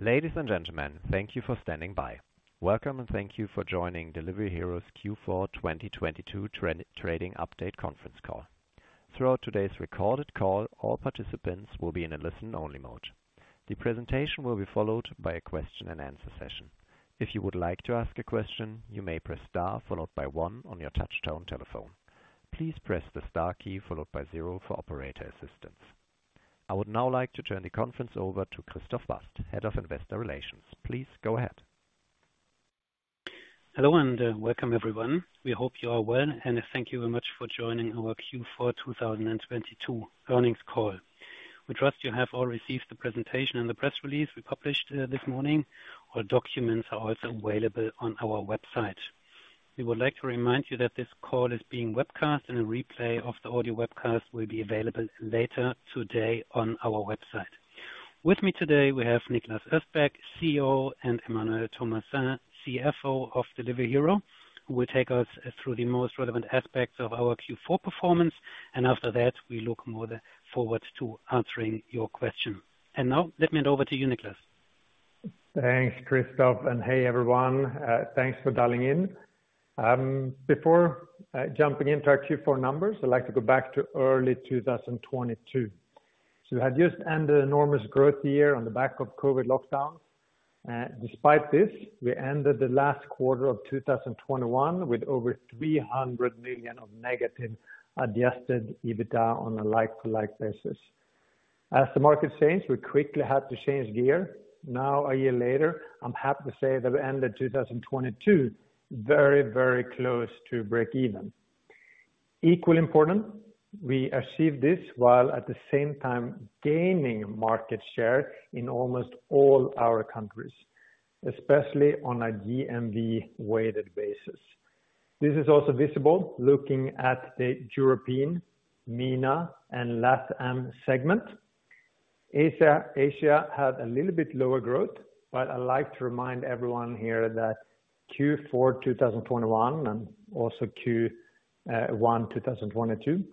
Ladies and gentlemen, thank you for standing by. Welcome, thank you for joining Delivery Hero's Q4 2022 trading update conference call. Throughout today's recorded call, all participants will be in a listen-only mode. The presentation will be followed by a question-and-answer session. If you would like to ask a question, you may press star followed by one on your touchtone telephone. Please press the star key followed by zero for operator assistance. I would now like to turn the conference over to Christoph Bast, Head of Investor Relations. Please go ahead. Hello, and welcome everyone. We hope you are well. Thank you very much for joining our Q4 2022 earnings call. We trust you have all received the presentation and the press release we published this morning. All documents are also available on our website. We would like to remind you that this call is being webcast, and a replay of the audio webcast will be available later today on our website. With me today, we have Niklas Östberg, CEO, and Emmanuel Thomassin, CFO of Delivery Hero, who will take us through the most relevant aspects of our Q4 performance. After that, we look more forward to answering your question. Now let me hand over to you, Niklas. Thanks, Christoph. Hey, everyone. Thanks for dialing in. Before jumping into our Q4 numbers, I'd like to go back to early 2022. We had just ended an enormous growth year on the back of COVID lockdowns. Despite this, we ended the last quarter of 2021 with over 300 million of negative adjusted EBITDA on a like-to-like basis. As the market changed, we quickly had to change gear. Now, a year later, I'm happy to say that we ended 2022 very close to breakeven. Equally important, we achieved this while at the same time gaining market share in almost all our countries, especially on a GMV weighted basis. This is also visible looking at the European, MENA, and LatAm segment. Asia had a little bit lower growth, I like to remind everyone here that Q4 2021 and also Q1 2022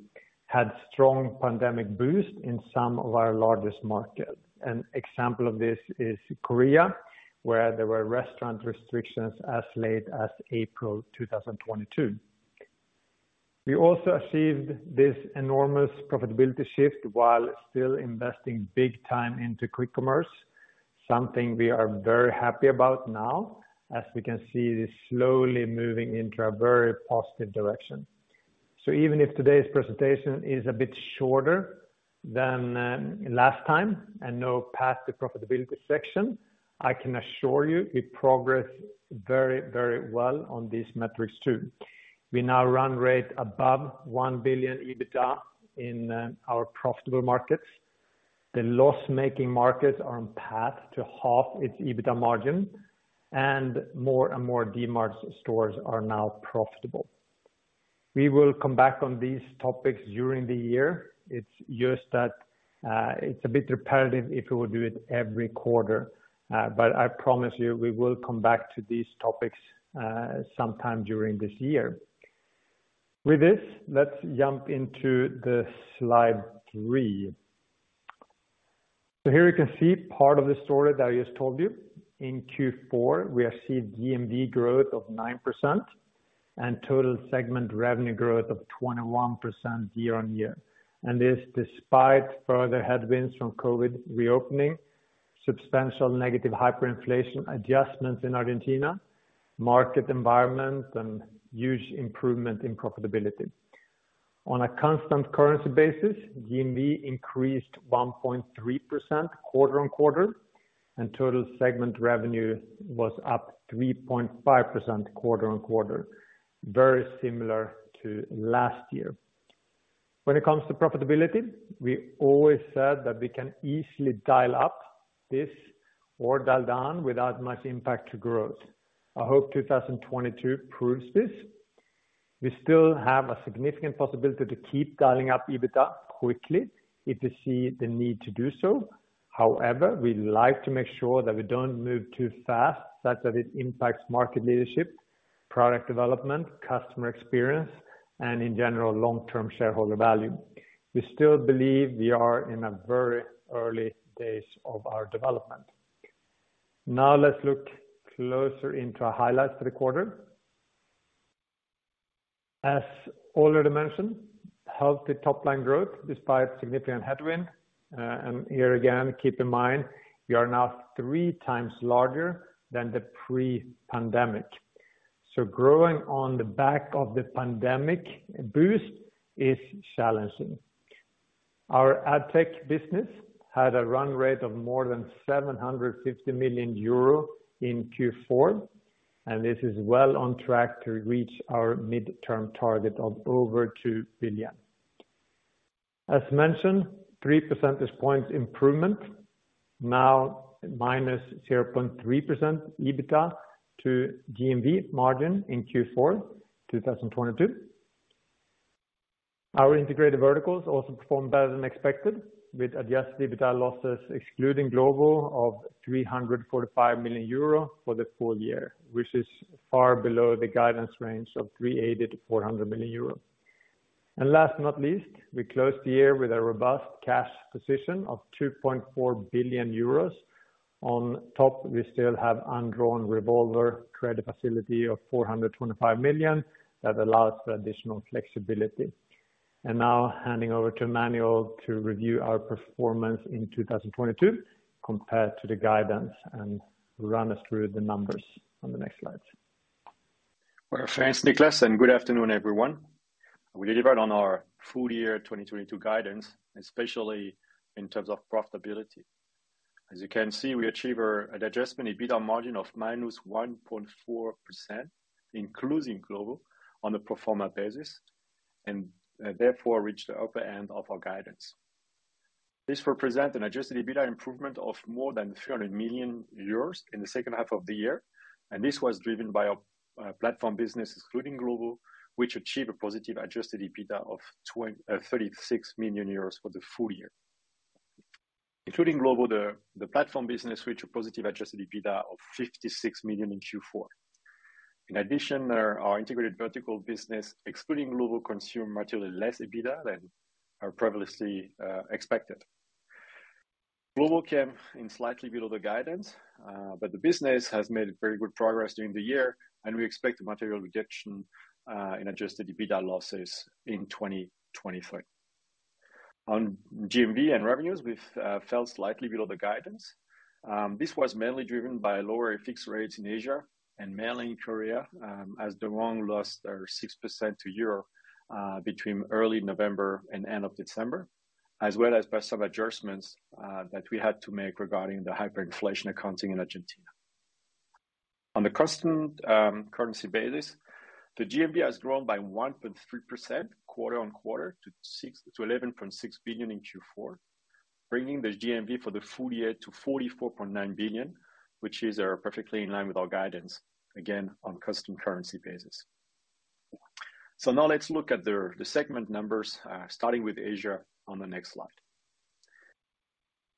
had strong pandemic boost in some of our largest markets. An example of this is Korea, where there were restaurant restrictions as late as April 2022. We also achieved this enormous profitability shift while still investing big time into quick commerce, something we are very happy about now as we can see this slowly moving into a very positive direction. Even if today's presentation is a bit shorter than last time and no path to profitability section, I can assure you we progress very, very well on these metrics too. We now run rate above 1 billion EBITDA in our profitable markets. The loss-making markets are on path to half its EBITDA margin, more and more Dmart stores are now profitable. We will come back on these topics during the year. It's just that, it's a bit repetitive if we will do it every quarter. I promise you we will come back to these topics sometime during this year. With this, let's jump into slide three. Here you can see part of the story that I just told you. In Q4, we achieved GMV growth of 9% and total segment revenue growth of 21% year-on-year. This despite further headwinds from COVID reopening, substantial negative hyperinflation adjustments in Argentina, market environment, and huge improvement in profitability. On a constant currency basis, GMV increased 1.3% quarter-on-quarter, total segment revenue was up 3.5% quarter-on-quarter. Very similar to last year. When it comes to profitability, we always said that we can easily dial up this or dial down without much impact to growth. I hope 2022 proves this. We still have a significant possibility to keep dialing up EBITDA quickly if we see the need to do so. However, we like to make sure that we don't move too fast such that it impacts market leadership, product development, customer experience, and in general, long-term shareholder value. We still believe we are in a very early days of our development. Let's look closer into our highlights for the quarter. As already mentioned, healthy top line growth despite significant headwind. Here again, keep in mind we are now 3x larger than the pre-pandemic. Growing on the back of the pandemic boost is challenging. Our AdTech business had a run rate of more than 750 million euro in Q4, this is well on track to reach our midterm target of over 2 billion. As mentioned, 3 percentage points improvement, now -0.3% EBITDA to GMV margin in Q4 2022. Our integrated verticals also performed better than expected with adjusted EBITDA losses excluding Glovo of 345 million euro for the full year, which is far below the guidance range of 380 million-400 million euro. Last but not least, we closed the year with a robust cash position of 2.4 billion euros. On top, we still have undrawn revolving credit facility of 425 million that allows for additional flexibility. Now handing over to Emmanuel to review our performance in 2022 compared to the guidance, and run us through the numbers on the next slide. Well, thanks, Niklas. Good afternoon, everyone. We delivered on our full year 2022 guidance, especially in terms of profitability. As you can see, we achieve our adjusted EBITDA margin of minus 1.4%, including Glovo, on a pro forma basis, and therefore reach the upper end of our guidance. This represent an adjusted EBITDA improvement of more than 300 million euros in the second half of the year, and this was driven by our platform business, including Glovo, which achieved a positive adjusted EBITDA of 36 million euros for the full year. Including Glovo, the platform business reached a positive adjusted EBITDA of 56 million in Q4. In addition, our Integrated Verticals business, excluding Glovo, consume materially less EBITDA than are previously expected. Global came in slightly below the guidance, but the business has made very good progress during the year, and we expect a material reduction in adjusted EBITDA losses in 2023. On GMV and revenues, we've fell slightly below the guidance. This was mainly driven by lower fixed rates in Asia and mainly in Korea, as the KRW lost 6% to EUR between early November and end of December, as well as by some adjustments that we had to make regarding the hyperinflation accounting in Argentina. On the custom currency basis, the GMV has grown by 1.3% quarter-on-quarter to 11.6 billion in Q4, bringing the GMV for the full year to 44.9 billion, which is perfectly in line with our guidance, again, on custom currency basis. Now let's look at the segment numbers, starting with Asia on the next slide.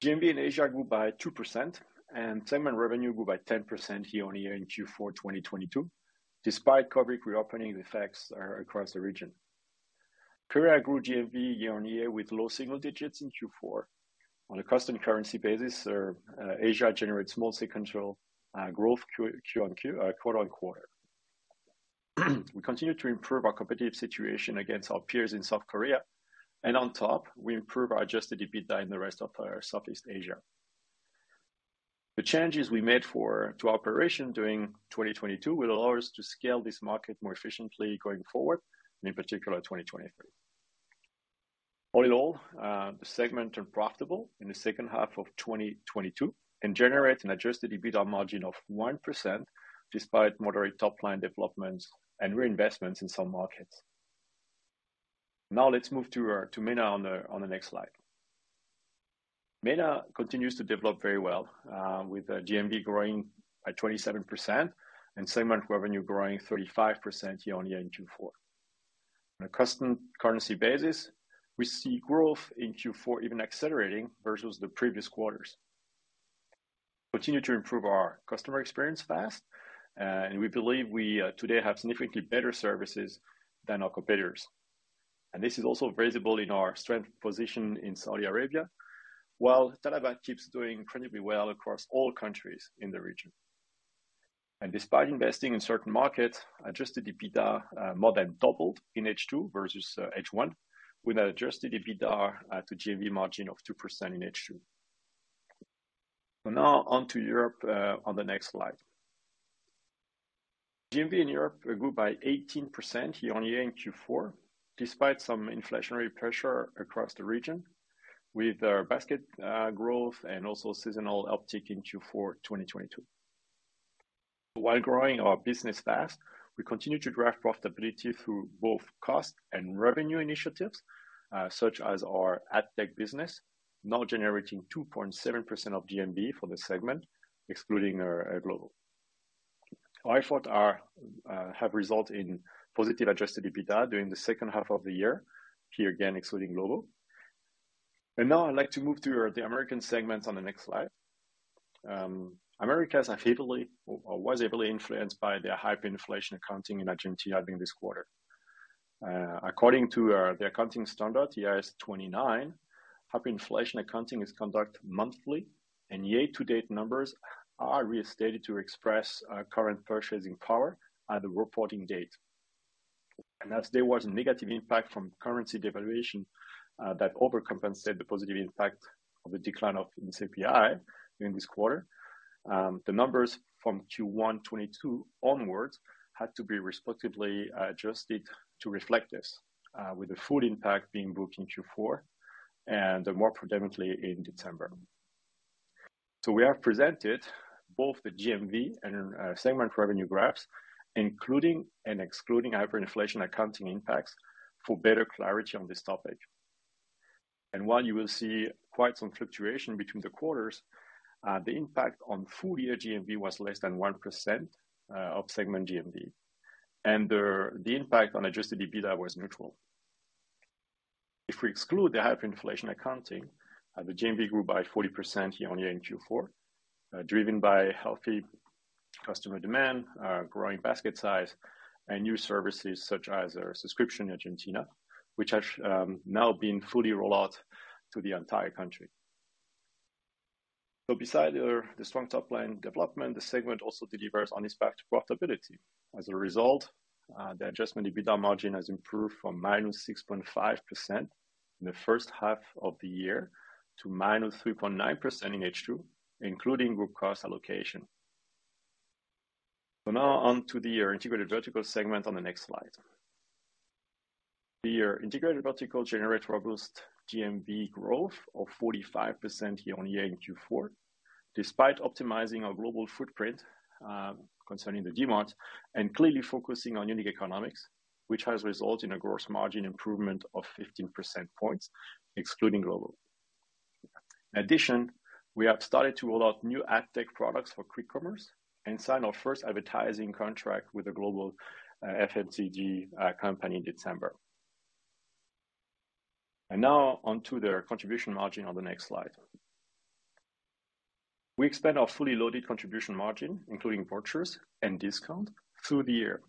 GMV in Asia grew by 2% and segment revenue grew by 10% year-on-year in Q4 2022, despite COVID reopening effects across the region. Korea grew GMV year-on-year with low single digits in Q4. On a custom currency basis, Asia generates multi control growth quarter-on-quarter. We continue to improve our competitive situation against our peers in South Korea. On top, we improve our adjusted EBITDA in the rest of Southeast Asia. The changes we made to operation during 2022 will allow us to scale this market more efficiently going forward, and in particular, 2023. All in all, the segment are profitable in the second half of 2022 and generate an adjusted EBITDA margin of 1% despite moderate top line development and reinvestments in some markets. Now let's move to MENA on the next slide. MENA continues to develop very well with GMV growing at 27% and segment revenue growing 35% year-on-year in Q4. On a custom currency basis, we see growth in Q4 even accelerating versus the previous quarters. We continue to improve our customer experience fast and we believe we today have significantly better services than our competitors. This is also visible in our strength position in Saudi Arabia, while talabat keeps doing incredibly well across all countries in the region. Despite investing in certain markets, adjusted EBITDA more than doubled in H2 versus H1, with adjusted EBITDA to GMV margin of 2% in H2. Now on to Europe on the next slide. GMV in Europe grew by 18% year-on-year in Q4, despite some inflationary pressure across the region with basket growth and also seasonal uptick in Q4 2022. While growing our business fast, we continue to drive profitability through both cost and revenue initiatives, such as our AdTech business, now generating 2.7% of GMV for the segment, excluding Global. iFood are have result in positive adjusted EBITDA during the second half of the year, here again excluding Global. Now I'd like to move to the American segment on the next slide. Americas was heavily influenced by the hyperinflation accounting in Argentina during this quarter. According to the accounting standard, IAS 29, hyperinflation accounting is conducted monthly, and year-to-date numbers are restated to express current purchasing power at the reporting date. As there was a negative impact from currency devaluation that overcompensated the positive impact of the decline of CPI during this quarter, the numbers from Q1 2022 onwards had to be respectively adjusted to reflect this with the full impact being booked in Q4 and more predominantly in December. We have presented both the GMV and segment revenue graphs, including and excluding hyperinflation accounting impacts for better clarity on this topic. While you will see quite some fluctuation between the quarters, the impact on full-year GMV was less than 1% of segment GMV. The impact on adjusted EBITDA was neutral. If we exclude the hyperinflation accounting, the GMV grew by 40% year-on-year in Q4, driven by healthy customer demand, growing basket size, and new services such as our subscription in Argentina, which has now been fully rolled out to the entire country. Beside the strong top line development, the segment also delivers on its path to profitability. As a result, the adjusted EBITDA margin has improved from -6.5% in the first half of the year to -3.9% in H2, including group cost allocation. Now on to the Integrated Verticals segment on the next slide. The Integrated Verticals generate robust GMV growth of 45% year-on-year in Q4, despite optimizing our global footprint, concerning the demand and clearly focusing on unique economics, which has resulted in a gross margin improvement of 15 percentage points excluding Glovo. In addition, we have started to roll out new AdTech products for quick commerce and signed our first advertising contract with a global FMCG company in December. Now on to the contribution margin on the next slide. We expand our fully loaded contribution margin, including vouchers and discount through the year,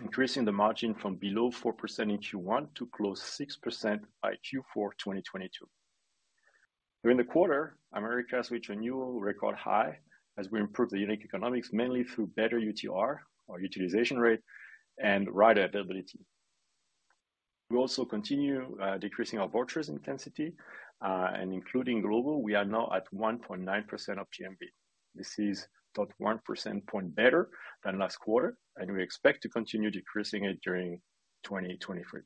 increasing the margin from below 4% in Q1 to close to 6% by Q4 2022. During the quarter, Americas reached a new record high as we improved the unique economics mainly through better UTR or utilization rate and rider availability. We also continue decreasing our vouchers intensity, including Glovo, we are now at 1.9% of GMV. This is 1 percentage point better than last quarter, we expect to continue decreasing it during 2023.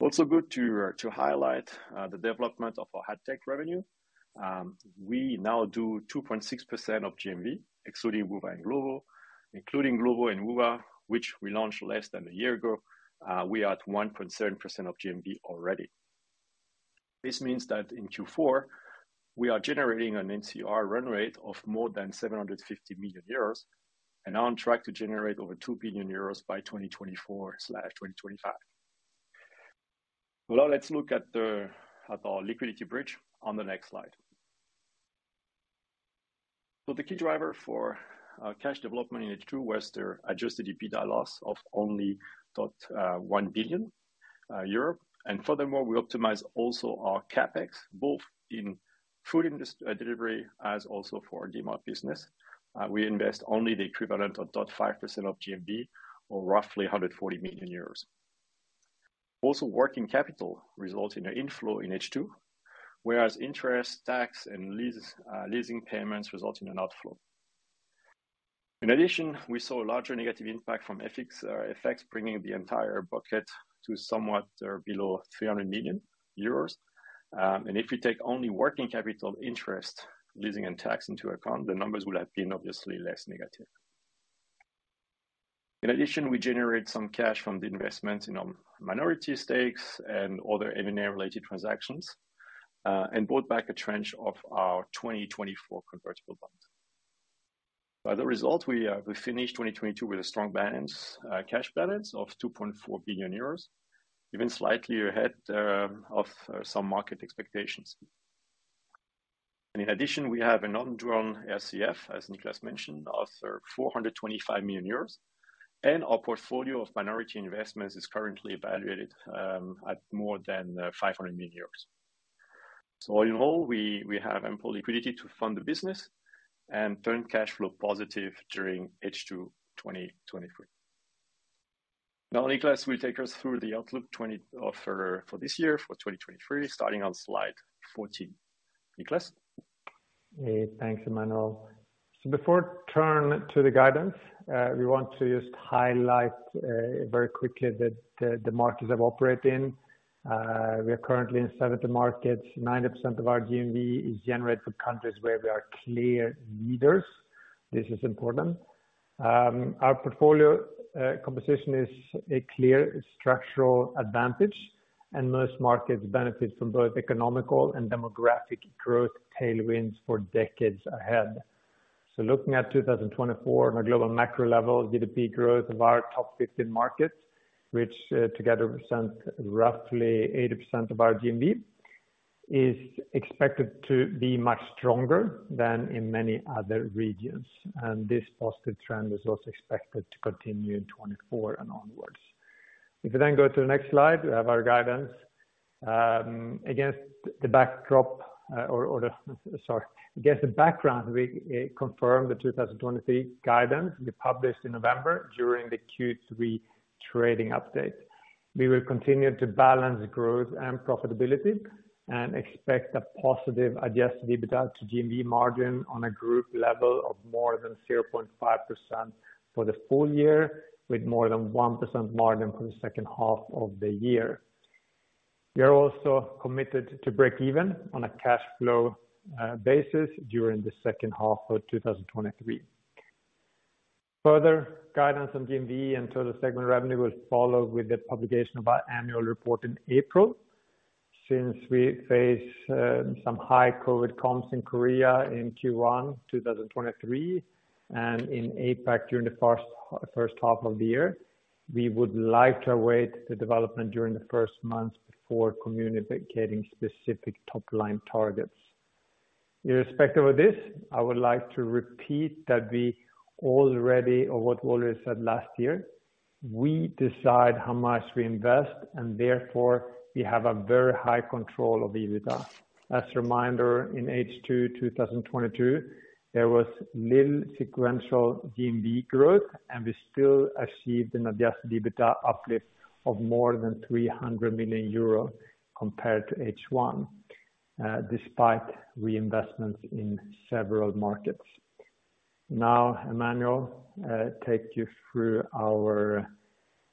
Also good to highlight the development of our AdTech revenue. We now do 2.6% of GMV, excluding Woowa and Glovo. Including Glovo and Woowa, which we launched less than a year ago, we are at 1.7% of GMV already. This means that in Q4, we are generating an NCR run rate of more than 750 million euros and are on track to generate over 2 billion euros by 2024/2025. Well, let's look at our liquidity bridge on the next slide. The key driver for cash development in H2 was the adjusted EBITDA loss of only top 1 billion euro. Furthermore, we optimize also our CapEx, both in food delivery as also for our Dmart business. We invest only the equivalent of 0.5% of GMV or roughly 140 million euros. Also, working capital results in an inflow in H2, whereas interest, tax and lease, leasing payments result in an outflow. In addition, we saw a larger negative impact from FX effects, bringing the entire bucket to somewhat below 300 million euros. If you take only working capital interest, leasing and tax into account, the numbers would have been obviously less negative. In addition, we generate some cash from the investments in our minority stakes and other M&A related transactions, brought back a tranche of our 2024 convertible bonds. By the results, we finished 2022 with a strong balance, cash balance of 2.4 billion euros, even slightly ahead of some market expectations. In addition, we have an undrawn RCF, as Niklas mentioned, of 425 million euros. Our portfolio of minority investments is currently evaluated at more than 500 million euros. All in all, we have ample liquidity to fund the business and turn cash flow positive during H2 2023. Niklas will take us through the outlook for this year for 2023, starting on slide 14. Niklas? Hey, thanks, Emmanuel. Before turn to the guidance, we want to just highlight very quickly that the markets have operate in. We are currently in 70 markets. 90% of our GMV is generated from countries where we are clear leaders. This is important. Our portfolio composition is a clear structural advantage, and most markets benefit from both economical and demographic growth tailwinds for decades ahead. Looking at 2024, our global macro level GDP growth of our top 15 markets, which together represent roughly 80% of our GMV, is expected to be much stronger than in many other regions. This positive trend is also expected to continue in 2024 and onwards. If we go to the next slide, we have our guidance. Against the backdrop, or Sorry. Against the background, we confirm the 2023 guidance we published in November during the Q3 trading update. We will continue to balance growth and profitability and expect a positive adjusted EBITDA to GMV margin on a group level of more than 0.5% for the full year, with more than 1% margin for the second half of the year. We are also committed to break even on a cash flow basis during the second half of 2023. Further guidance on GMV and total segment revenue will follow with the publication of our annual report in April. Since we face some high COVID comps in Korea in Q1 2023, and in APAC during the first half of the year, we would like to await the development during the first months before communicating specific top-line targets. Irrespective of this, I would like to repeat that we already or what Walter said last year, we decide how much we invest, therefore we have a very high control of EBITDA. As a reminder, in H2 2022, there was little sequential GMV growth, we still achieved an adjusted EBITDA uplift of more than 300 million euro compared to H1, despite reinvestments in several markets. Emmanuel, take you through our,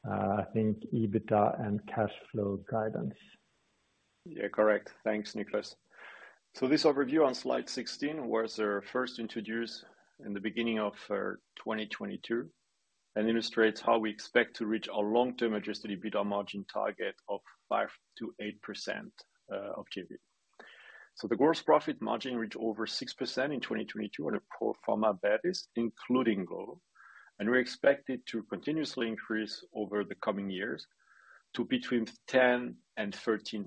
I think EBITDA and cash flow guidance. Yeah, correct. Thanks, Niklas. This overview on slide 16 was first introduced in the beginning of 2022 and illustrates how we expect to reach our long-term adjusted EBITDA margin target of 5%-8% of GMV. The gross profit margin reached over 6% in 2022 on a pro forma basis, including Go, and we're expected to continuously increase over the coming years to between 10% and 13%.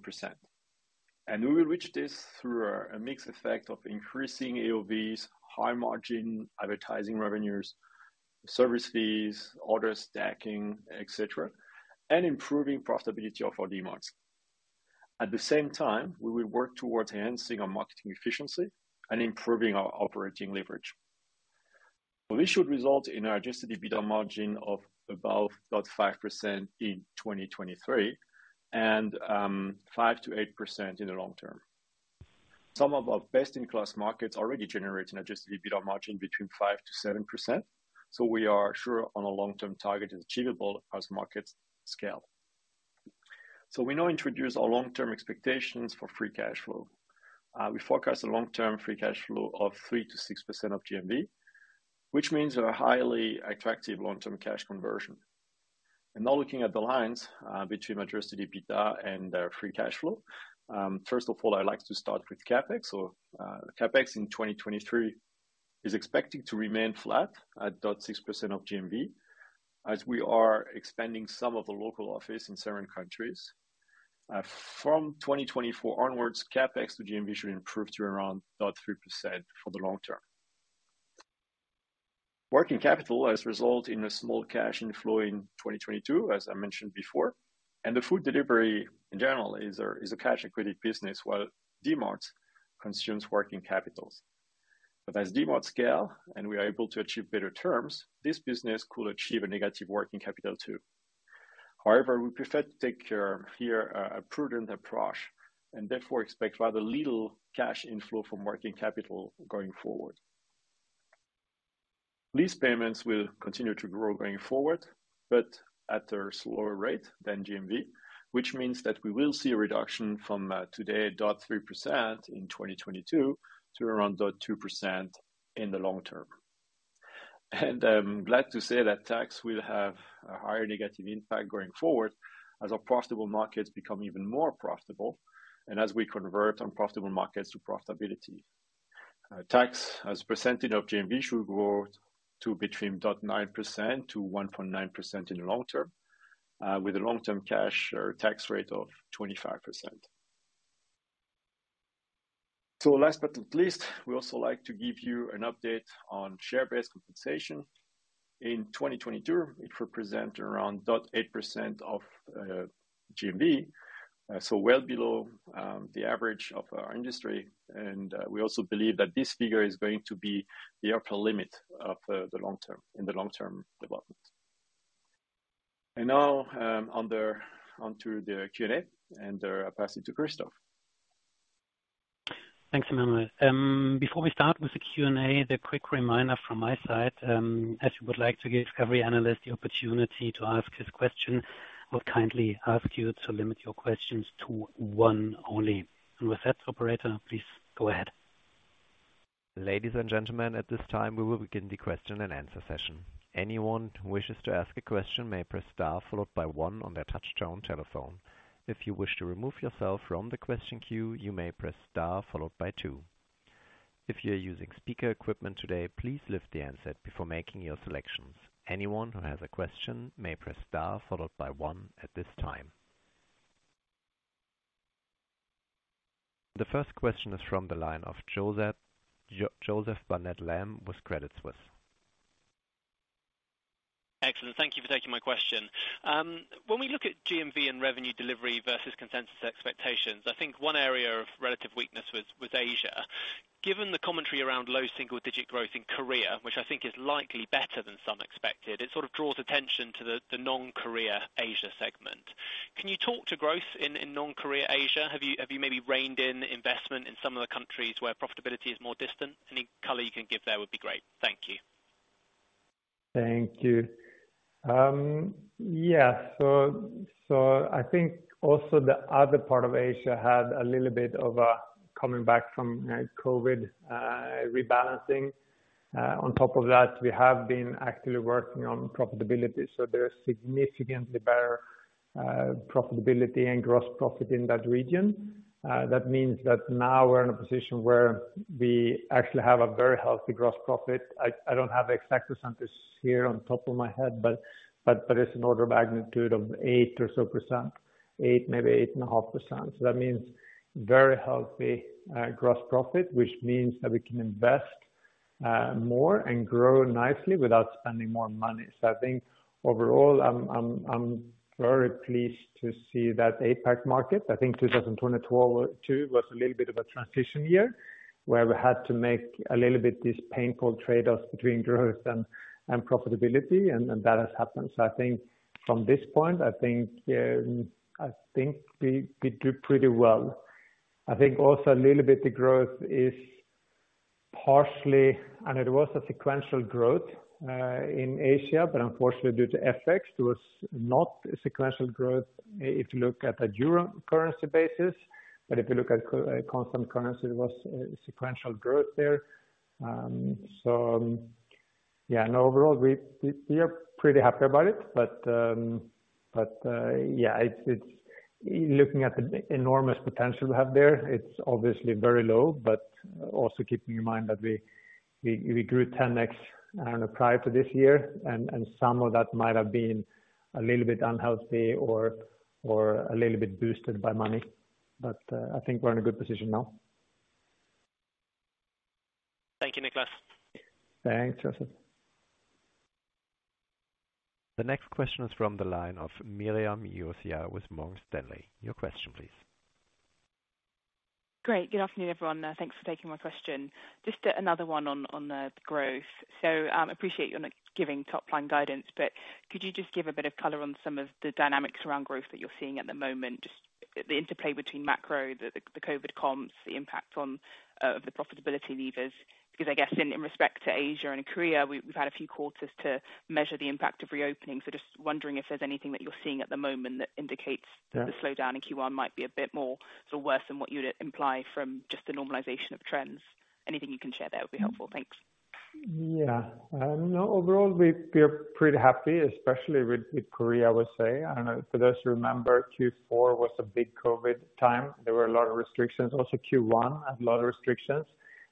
We will reach this through a mix effect of increasing AOVs, high margin advertising revenues, service fees, order stacking, et cetera, and improving profitability of our Dmarts. At the same time, we will work towards enhancing our marketing efficiency and improving our operating leverage. This should result in adjusted EBITDA margin of about 0.5% in 2023 and 5%-8% in the long term. Some of our best-in-class markets already generate an adjusted EBITDA margin between 5%-7%, we are sure on a long-term target is achievable as markets scale. We now introduce our long-term expectations for free cash flow. We forecast a long-term free cash flow of 3%-6% of GMV, which means a highly attractive long-term cash conversion. Now looking at the lines between adjusted EBITDA and free cash flow. First of all, I'd like to start with CapEx. CapEx in 2023 is expecting to remain flat at 0.6% of GMV as we are expanding some of the local office in certain countries. From 2024 onwards, CapEx to GMV should improve to around 0.3% for the long term. Working capital has resulted in a small cash inflow in 2022, as I mentioned before, the food delivery, in general, is a cash-accretive business, while Dmarts consumes working capitals. As Dmarts scale and we are able to achieve better terms, this business could achieve a negative working capital too. However, we prefer to take a, here a prudent approach and therefore expect rather little cash inflow from working capital going forward. Lease payments will continue to grow going forward, but at a slower rate than GMV, which means that we will see a reduction from today, 0.3% in 2022 to around 0.2% in the long term. I'm glad to say that tax will have a higher negative impact going forward as our profitable markets become even more profitable and as we convert unprofitable markets to profitability. Tax as a percentage of GMV should grow to between 0.9%-1.9% in the long term, with a long-term cash or tax rate of 25%. Last but not least, we also like to give you an update on share-based compensation. In 2022, it represent around 0.8% of GMV, so well below the average of our industry. We also believe that this figure is going to be the upper limit in the long-term development. Now onto the Q&A, and I'll pass it to Christoph. Thanks, Emmanuel. Before we start with the Q&A, the quick reminder from my side, as we would like to give every analyst the opportunity to ask his question, I would kindly ask you to limit your questions to one only. With that, operator, please go ahead. Ladies and gentlemen, at this time, we will begin the question-and-answer session. Anyone who wishes to ask a question may press star followed by one on their touchtone telephone. If you wish to remove yourself from the question queue, you may press star followed by two. If you're using speaker equipment today, please lift the handset before making your selections. Anyone who has a question may press star followed by one at this time. The first question is from the line of Joseph Barnet-Lamb with Credit Suisse. Excellent. Thank you for taking my question. When we look at GMV and revenue delivery versus consensus expectations, I think one area of relative weakness was Asia. Given the commentary around low single-digit growth in Korea, which I think is likely better than some expected, it sort of draws attention to the non-Korea Asia segment. Can you talk to growth in non-Korea Asia? Have you maybe reined in investment in some of the countries where profitability is more distant? Any color you can give there would be great. Thank you. Thank you. Yeah. I think also the other part of Asia had a little bit of a coming back from COVID rebalancing. On top of that, we have been actively working on profitability. There is significantly better profitability and gross profit in that region. That means that now we're in a position where we actually have a very healthy gross profit. I don't have exact percentages here on top of my head, but it's an order of magnitude of 8% or so. 8%, maybe 8.5%. That means very healthy gross profit, which means that we can invest more and grow nicely without spending more money. I think overall, I'm very pleased to see that APAC market. I think 2022 was a little bit of a transition year where we had to make a little bit these painful trade-offs between growth and profitability, and that has happened. I think from this point, we did pretty well. I think also a little bit the growth is partially. It was a sequential growth in Asia, but unfortunately due to FX, it was not sequential growth if you look at a euro currency basis. If you look at constant currency, it was sequential growth there. Yeah. Overall we are pretty happy about it. Yeah, it's looking at the enormous potential we have there, it's obviously very low. Also keeping in mind that we grew 10x, I don't know, prior to this year, and some of that might have been a little bit unhealthy or a little bit boosted by money. I think we're in a good position now. Thank you, Niklas. Thanks, Joseph. The next question is from the line of Miriam Josiah with Morgan Stanley. Your question please. Great. Good afternoon, everyone. Thanks for taking my question. Just another one on the growth. Appreciate you not giving top line guidance, but could you just give a bit of color on some of the dynamics around growth that you're seeing at the moment, just the interplay between macro, the COVID comps, the impact on the profitability levers? Because I guess in respect to Asia and Korea, we've had a few quarters to measure the impact of reopening. Just wondering if there's anything that you're seeing at the moment that indicates... Yeah. The slowdown in Q1 might be a bit more sort of worse than what you'd imply from just the normalization of trends. Anything you can share there would be helpful. Thanks. No, overall we're pretty happy, especially with Korea, I would say. I don't know. For those who remember, Q4 was a big COVID time. There were a lot of restrictions. Also Q1 had a lot of restrictions.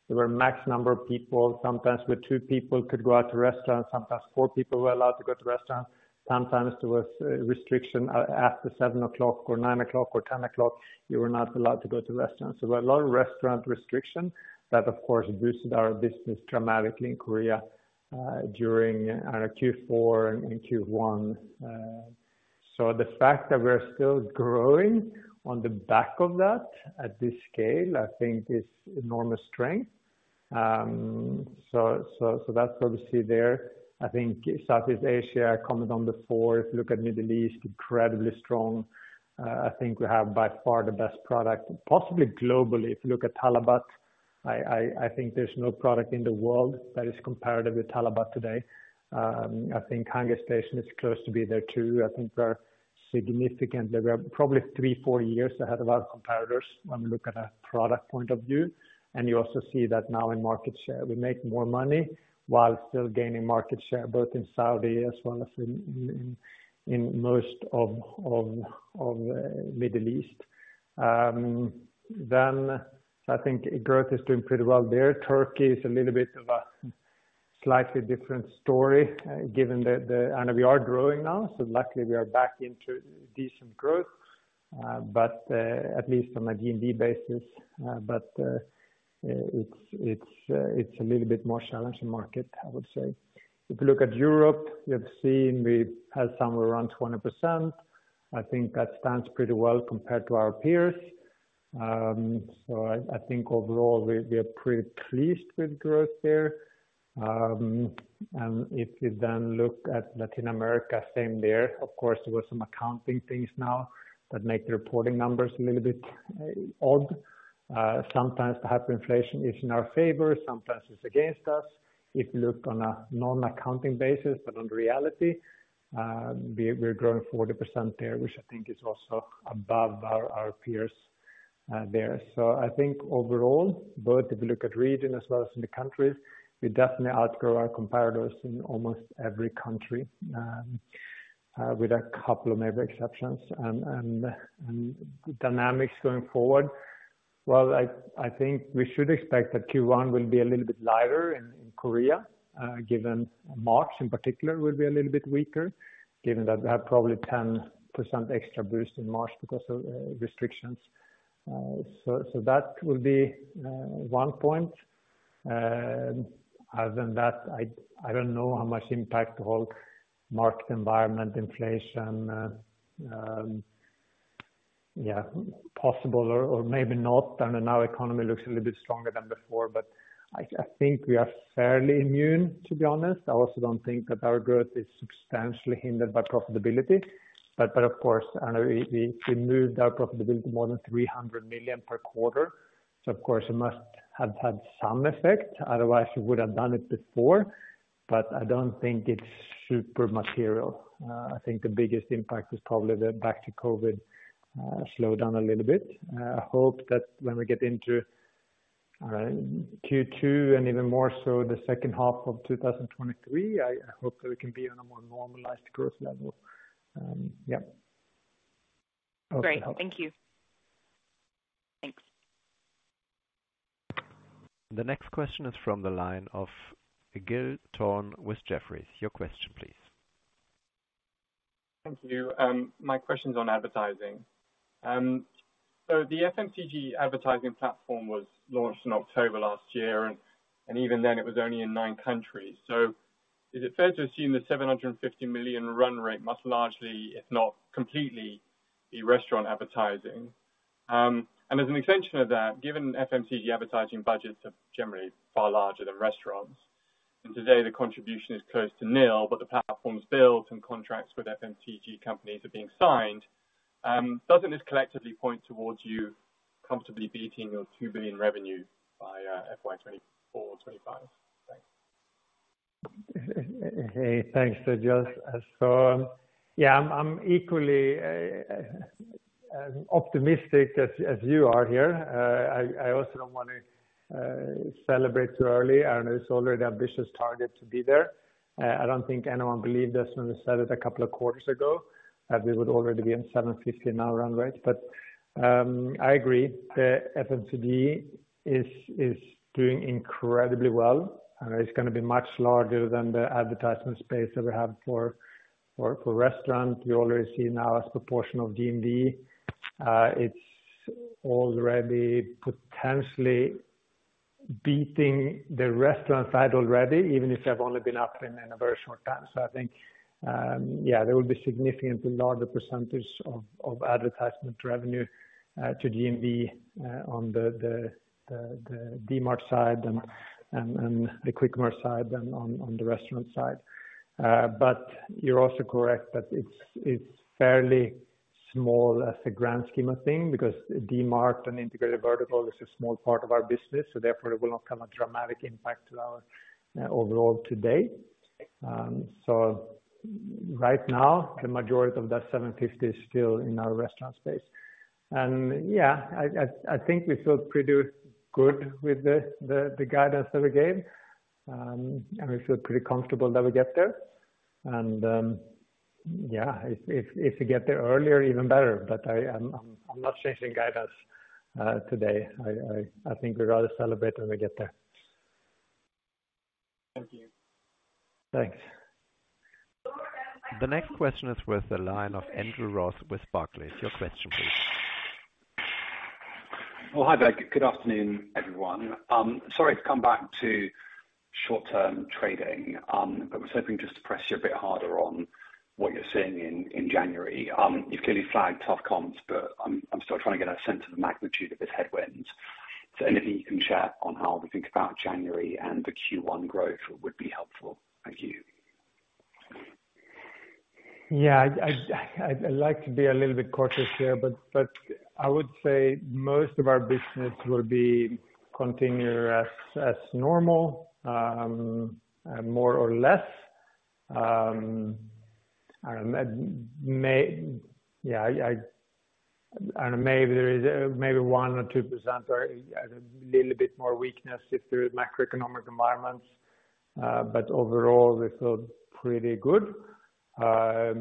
There were max number of people, sometimes where two people could go out to restaurants, sometimes four people were allowed to go to restaurants. Sometimes there was a restriction after 7 o'clock or 9 o'clock or 10 o'clock, you were not allowed to go to restaurants. There were a lot of restaurant restrictions that of course boosted our business dramatically in Korea, during, I don't know, Q4 and Q1. The fact that we're still growing on the back of that at this scale, I think is enormous strength. That's what we see there. I think Southeast Asia, I commented on before. If you look at Middle East, incredibly strong. I think we have by far the best product, possibly globally. If you look at talabat, I think there's no product in the world that is comparative with talabat today. I think HungerStation is close to be there too. I think we're significantly, we are probably three, four years ahead of our competitors when you look at a product point of view. You also see that now in market share. We make more money while still gaining market share, both in Saudi as well as in most of Middle East. I think growth is doing pretty well there. Turkey is a little bit of a slightly different story given the. I know we are growing now, so luckily we are back into decent growth. At least from a GMV basis, it's a little bit more challenging market, I would say. If you look at Europe, you have seen we had somewhere around 20%. I think that stands pretty well compared to our peers. I think overall we are pretty pleased with growth there. If you look at Latin America, same there. Of course, there were some accounting things now that make the reporting numbers a little bit odd. Sometimes the hyperinflation is in our favor, sometimes it's against us. If you look on a non-accounting basis, but on reality, we're growing 40% there, which I think is also above our peers there. I think overall, both if you look at region as well as in the countries, we definitely outgrow our competitors in almost every country with a couple of maybe exceptions. Dynamics going forward, I think we should expect that Q1 will be a little bit lighter in Korea, given March in particular will be a little bit weaker, given that we have probably 10% extra boost in March because of restrictions. That will be one point. Other than that, I don't know how much impact the whole market environment inflation, possible or maybe not. I don't know. Our economy looks a little bit stronger than before, but I think we are fairly immune, to be honest. I also don't think that our growth is substantially hindered by profitability. Of course, I know we moved our profitability to more than 300 million per quarter, so of course it must have had some effect, otherwise we would have done it before. I don't think it's super material. I think the biggest impact is probably the back to COVID, slow down a little bit. I hope that when we get into Q2 and even more so the second half of 2023, I hope that we can be on a more normalized growth level. Great. Thank you. Thanks. The next question is from the line of Giles Thorne with Jefferies. Your question, please. Thank you. My question's on advertising. The FMCG advertising platform was launched in October last year, and even then it was only in nine countries. Is it fair to assume the 750 million run rate must largely, if not completely, be restaurant advertising? As an extension of that, given FMCG advertising budgets are generally far larger than restaurants, and today the contribution is close to nil, but the platform's built, and contracts with FMCG companies are being signed, doesn't this collectively point towards you comfortably beating your 2 billion revenue by FY 2024 or 2025? Thanks. Hey, thanks to Giles, yeah, I'm equally optimistic as you are here. I also don't wanna celebrate too early. I know it's already ambitious target to be there. I don't think anyone believed us when we said it a couple of quarters ago, that we would already be in 750 in our run rate. I agree. The FMCG is doing incredibly well, and it's gonna be much larger than the advertisement space that we have for restaurant. We already see now as proportion of GMV, it's already potentially beating the restaurant side already, even if they've only been up in a very short time. I think, yeah, there will be a significantly larger percentage of advertisement revenue to GMV on the D-mart side and the Quick Mart side than on the restaurant side. But you're also correct that it's fairly small as a grand scheme of thing because D-mart and Integrated Verticals is a small part of our business, so therefore it will not come a dramatic impact to our overall today. Right now, the majority of that 750 is still in our restaurant space. Yeah, I think we feel pretty good with the guidance that we gave. We feel pretty comfortable that we get there. Yeah, if we get there earlier, even better, but I'm not changing guidance today. I think we'd rather celebrate when we get there. Thank you. Thanks. The next question is with the line of Andrew Ross with Barclays. Your question, please. Well, hi there. Good afternoon, everyone. Sorry to come back to short-term trading, was hoping just to press you a bit harder on what you're seeing in January. You've clearly flagged tough comps. I'm still trying to get a sense of the magnitude of this headwinds. Anything you can share on how we think about January and the Q1 growth would be helpful. Thank you. Yeah. I'd like to be a little bit cautious here, but I would say most of our business will be continue as normal, more or less. I don't know. I don't know, maybe there is maybe 1% or 2% or a little bit more weakness if there is macroeconomic environments. Overall we feel pretty good. As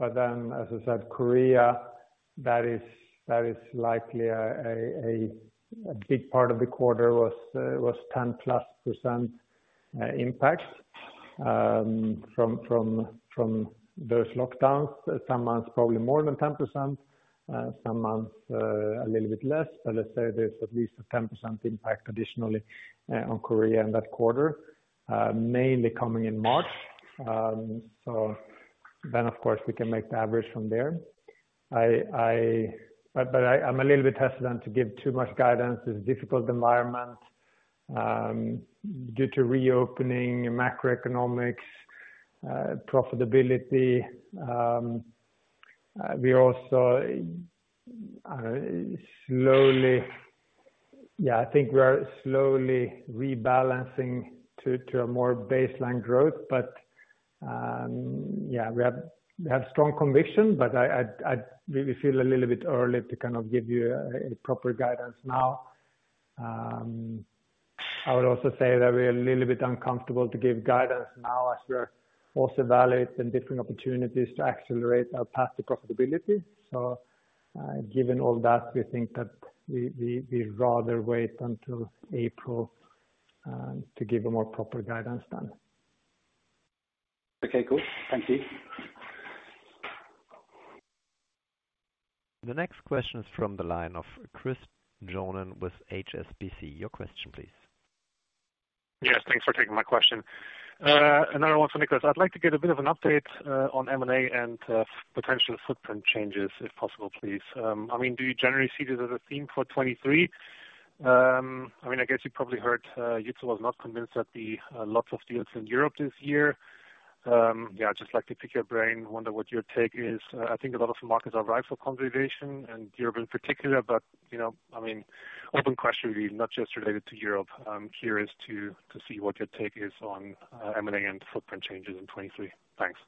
I said, Korea, that is likely a big part of the quarter was 10+% impact from those lockdowns. Some months probably more than 10%, some months a little bit less. Let's say there's at least a 10% impact traditionally on Korea in that quarter, mainly coming in March. Of course, we can make the average from there. I'm a little bit hesitant to give too much guidance. It's a difficult environment, due to reopening macroeconomics, profitability. We also, I don't know. Yeah, I think we are slowly rebalancing to a more baseline growth. Yeah, we have strong conviction, but I'd we feel a little bit early to kind of give you a proper guidance now. I would also say that we're a little bit uncomfortable to give guidance now as we're also evaluating different opportunities to accelerate our path to profitability. Given all that, we think that we'd rather wait until April to give a more proper guidance then. Okay. Cool. Thank you. The next question is from the line of Christopher Johnen with HSBC. Your question please. Yes. Thanks for taking my question. Another one for Niklas. I'd like to get a bit of an update on M&A and potential footprint changes, if possible, please. I mean, do you generally see this as a theme for 23? I mean, I guess you probably heard, Utz was not convinced that the lots of deals in Europe this year. Yeah, I'd just like to pick your brain. Wonder what your take is. I think a lot of markets are ripe for consolidation, and Europe in particular, but, you know, I mean, open question really, not just related to Europe. I'm curious to see what your take is on M&A and footprint changes in 23. Thanks.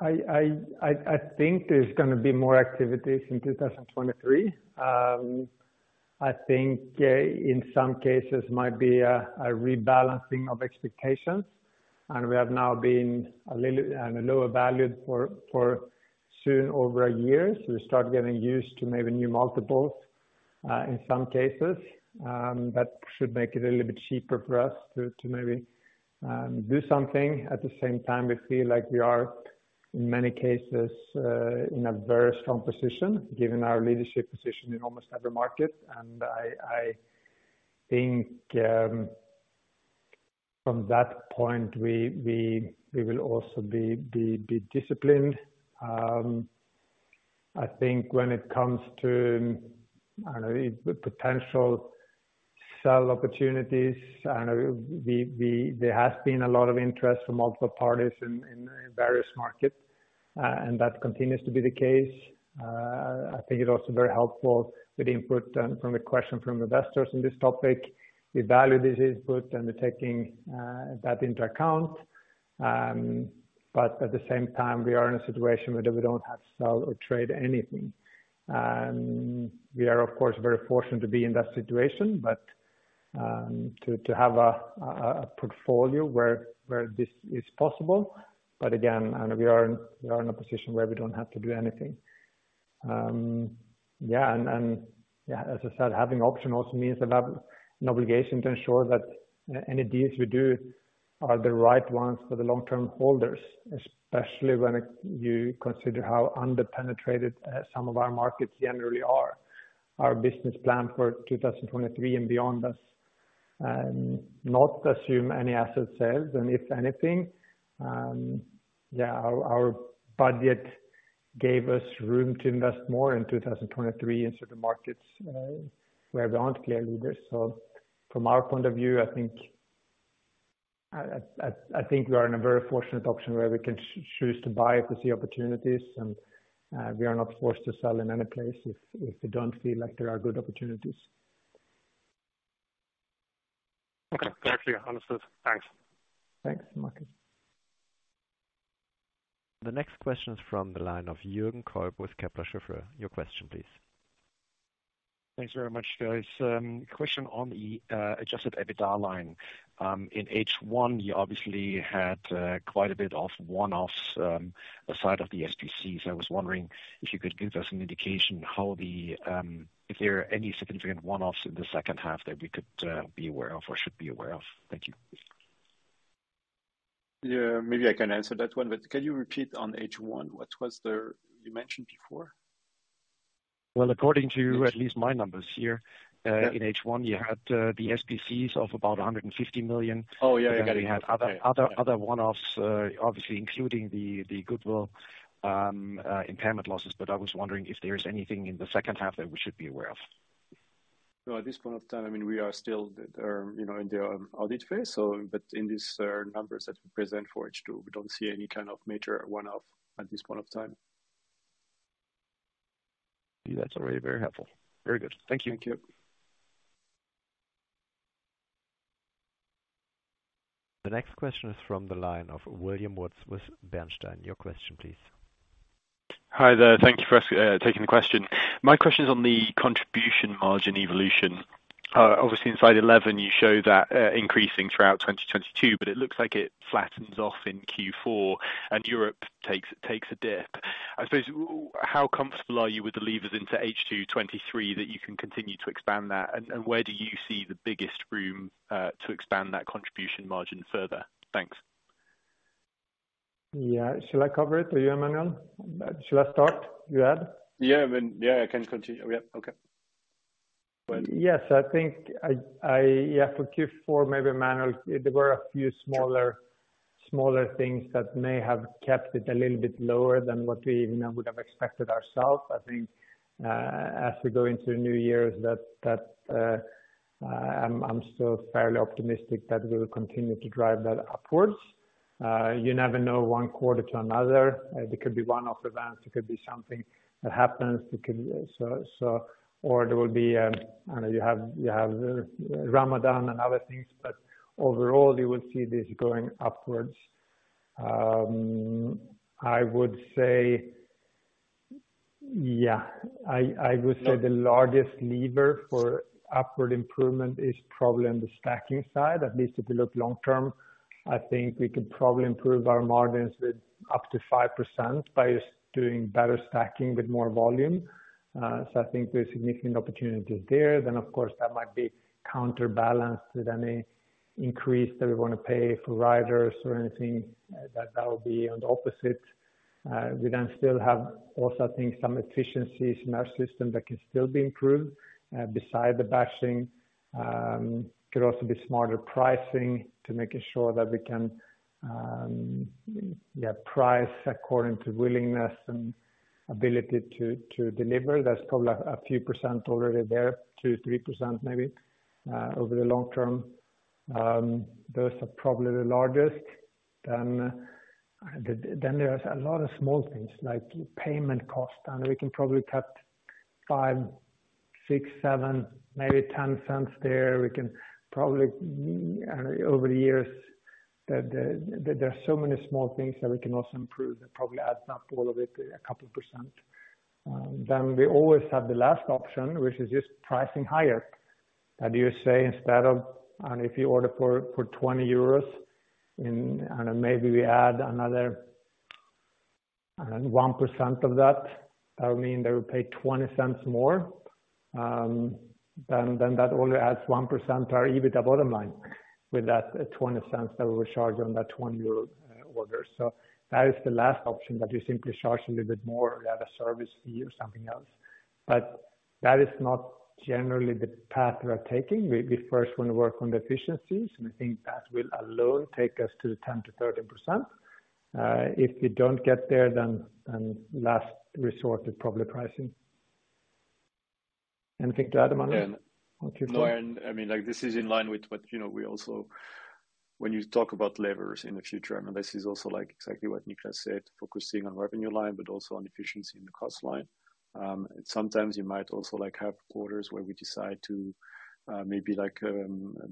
I think there's gonna be more activities in 2023. I think, in some cases might be a rebalancing of expectations, and we have now been a little at a lower value for soon over a year, so we start getting used to maybe new multiples, in some cases. That should make it a little bit cheaper for us to maybe do something. At the same time, we feel like we are, in many cases, in a very strong position, given our leadership position in almost every market. I think, from that point, we will also be disciplined. I think when it comes to, I don't know, potential sell opportunities, I don't know, we there has been a lot of interest from multiple parties in various markets, and that continues to be the case. I think it's also very helpful with input from the question from investors in this topic. We value this input, and we're taking that into account. At the same time, we are in a situation where we don't have to sell or trade anything. We are of course very fortunate to be in that situation, but to have a portfolio where this is possible. Again, I know we are in a position where we don't have to do anything. Yeah, as I said, having options also means that we have an obligation to ensure that any deals we do are the right ones for the long-term holders, especially when you consider how under-penetrated some of our markets generally are. Our business plan for 2023 and beyond does not assume any asset sales. If anything, yeah, our budget gave us room to invest more in 2023 into the markets where we aren't clear leaders. From our point of view, I think we are in a very fortunate option where we can choose to buy if we see opportunities, and we are not forced to sell in any place if we don't feel like there are good opportunities. Okay. Clearly understood. Thanks. Thanks, Marcus. The next question is from the line of Jürgen Kolb with Kepler Cheuvreux. Your question please. Thanks very much, guys. Question on the adjusted EBITDA line. In H1, you obviously had quite a bit of one-offs, aside of the SBCs. I was wondering if you could give us an indication if there are any significant one-offs in the second half that we could be aware of or should be aware of. Thank you. Yeah, maybe I can answer that one, but can you repeat on H one, what was the, you mentioned before? Well, according to at least my numbers here. Yeah. In H1, you had the SBCs of about 150 million. Oh, yeah. I get it. Okay. You had other one-offs, obviously including the goodwill, impairment losses. I was wondering if there is anything in the second half that we should be aware of. At this point of time, I mean, we are still, you know, in the audit phase. In these numbers that we present for H2, we don't see any kind of major one-off at this point of time. That's already very helpful. Very good. Thank you. Thank you. The next question is from the line of William Watts with Bernstein. Your question please. Hi there. Thank you for taking the question. My question is on the contribution margin evolution. Obviously in slide 11 you show that increasing throughout 2022, but it looks like it flattens off in Q4 and Europe takes a dip. I suppose how comfortable are you with the levers into H2 2023 that you can continue to expand that? Where do you see the biggest room to expand that contribution margin further? Thanks. Yeah. Shall I cover it or you, Emmanuel? Shall I start? You add? Yeah. I mean, yeah, I can continue. Yeah. Okay. Yes, I think Yeah, for Q4 maybe, Emmanuel, there were a few smaller things that may have kept it a little bit lower than what we even would have expected ourselves. I think, as we go into the new year that, I'm still fairly optimistic that we'll continue to drive that upwards. You never know one quarter to another. There could be one-off events, there could be something that happens, there could be so. There will be, I know you have Ramadan and other things, but overall you will see this going upwards. I would say, yeah, I would say the largest lever for upward improvement is probably on the stacking side. At least if you look long term, I think we could probably improve our margins with up to 5% by just doing better stacking with more volume. I think there's significant opportunities there. Of course, that might be counterbalanced with any increase that we wanna pay for riders or anything that would be on the opposite. We still have also, I think, some efficiencies in our system that can still be improved beside the batching. Could also be smarter pricing to making sure that we can price according to willingness and ability to deliver. That's probably a few percent already there, 2%-3% maybe over the long term. Those are probably the largest. Then there's a lot of small things like payment cost, we can probably cut 0.05, 0.06, 0.07, maybe 0.10 there. We can probably, over the years, there are so many small things that we can also improve. That probably adds up all of it a couple of percentage. We always have the last option, which is just pricing higher. That you say instead of, if you order for 20 euros, maybe we add another, I don't know, 1% of that would mean they would pay 0.20 more. That only adds 1% to our EBITDA bottom line with that 0.20 that we charge on that 20 euro order. That is the last option that you simply charge a little bit more or add a service fee or something else. That is not generally the path we are taking. We first want to work on the efficiencies, and I think that will alone take us to the 10%-13%. If we don't get there, then last resort is probably pricing. Anything to add, Manuel? Yeah. Okay. I mean, like, this is in line with what, you know, when you talk about levers in the future, I mean, this is also like exactly what Niklas said, focusing on revenue line, but also on efficiency in the cost line. Sometimes you might also like have quarters where we decide to maybe like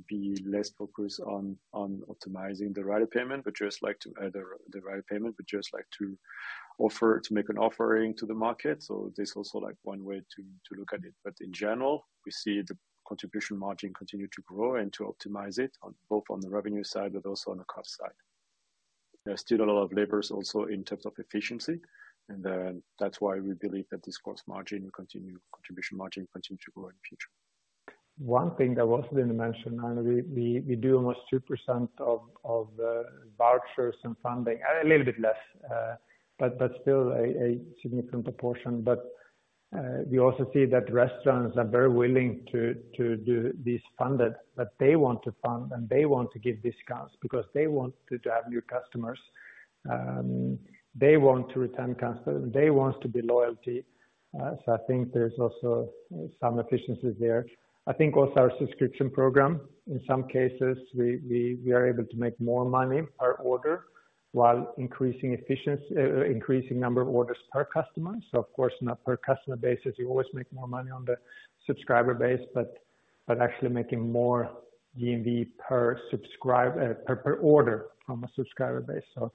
be less focused on optimizing the rider payment, but just like to offer to make an offering to the market. This is also like one way to look at it. In general, we see the contribution margin continue to grow and to optimize it on both on the revenue side, but also on the cost side. There are still a lot of levers also in terms of efficiency. That's why we believe that this gross margin will continue, contribution margin continue to grow in the future. One thing that wasn't been mentioned, we do almost 2% of vouchers and funding. A little bit less, but that's still a significant proportion. We also see that restaurants are very willing to do this funded that they want to fund and they want to give discounts because they want to have new customers. They want to return customer, they want to build loyalty. I think there's also some efficiencies there. I think also our subscription program, in some cases we are able to make more money per order while increasing number of orders per customer. Of course, not per customer basis, you always make more money on the subscriber base, actually making more GMV per order from a subscriber base.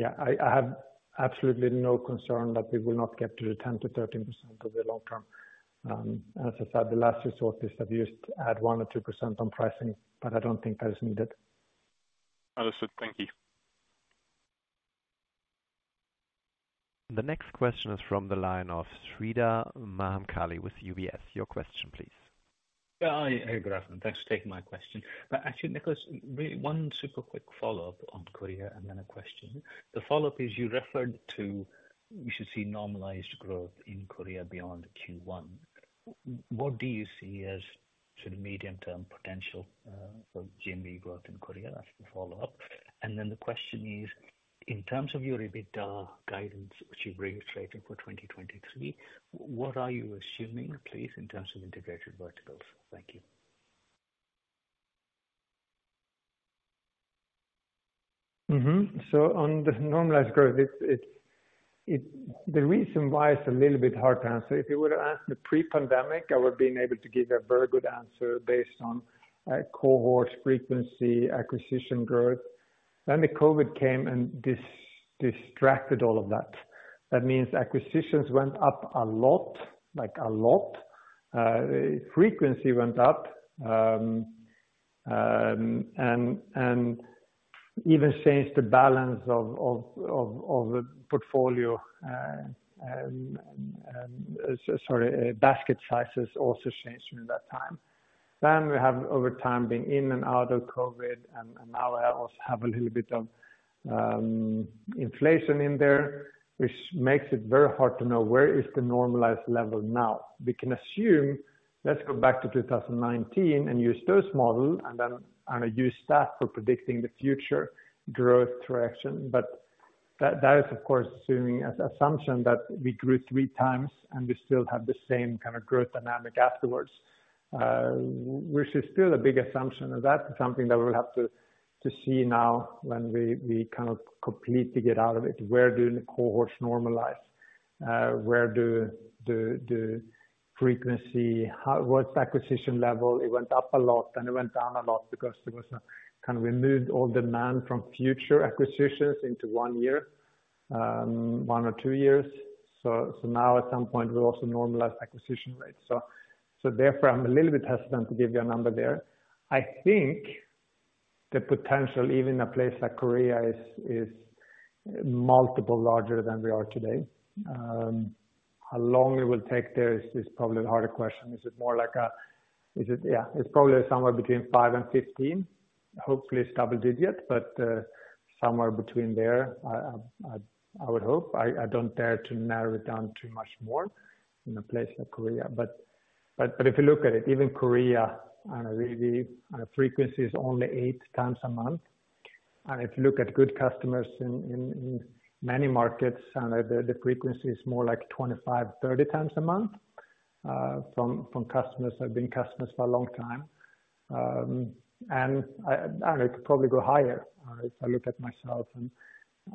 I have absolutely no concern that we will not get to the 10%-13% over the long term. As I said, the last resort is that we just add 1% or 2% on pricing, but I don't think that is needed. Understood. Thank you. The next question is from the line of Sreedhar Mahamkali with UBS. Your question please. Yeah. Hi, everyone. Thanks for taking my question. Actually, Niklas, one super quick follow-up on Korea and then a question. The follow-up is you referred to you should see normalized growth in Korea beyond Q1. What do you see as sort of medium-term potential for GMV growth in Korea? That's the follow-up. The question is, in terms of your EBITDA guidance, which you reiterated for 2023, what are you assuming, please, in terms of Integrated Verticals? Thank you. On the normalized growth, it's the reason why it's a little bit hard to answer, if you would ask the pre-pandemic, I would have been able to give you a very good answer based on cohorts, frequency, acquisition growth. The COVID came and distracted all of that. That means acquisitions went up a lot, like a lot. Frequency went up and even changed the balance of the portfolio. Sorry, basket sizes also changed during that time. We have over time been in and out of COVID and now I also have a little bit of inflation in there, which makes it very hard to know where is the normalized level now. We can assume, let's go back to 2019 and use those model and use that for predicting the future growth direction. That, that is of course assuming as assumption that we grew 3x and we still have the same kind of growth dynamic afterwards, which is still a big assumption. That is something that we'll have to see now when we kind of completely get out of it. Where do the cohorts normalize? How was acquisition level? It went up a lot, and it went down a lot because there was a kind of removed all demand from future acquisitions into one year, one or two years. Now at some point we also normalize acquisition rates. Therefore, I'm a little bit hesitant to give you a number there. I think the potential, even in a place like Korea is multiple larger than we are today. How long it will take there is probably the harder question. Yeah, it's probably somewhere between five and 15. Hopefully it's double-digit, but somewhere between there, I would hope. I don't dare to narrow it down too much more in a place like Korea. If you look at it, even Korea and really, frequency is only eight times a month. And if you look at good customers in many markets, the frequency is more like 25x, 30x a month from customers that have been customers for a long time. And it could probably go higher. If I look at myself and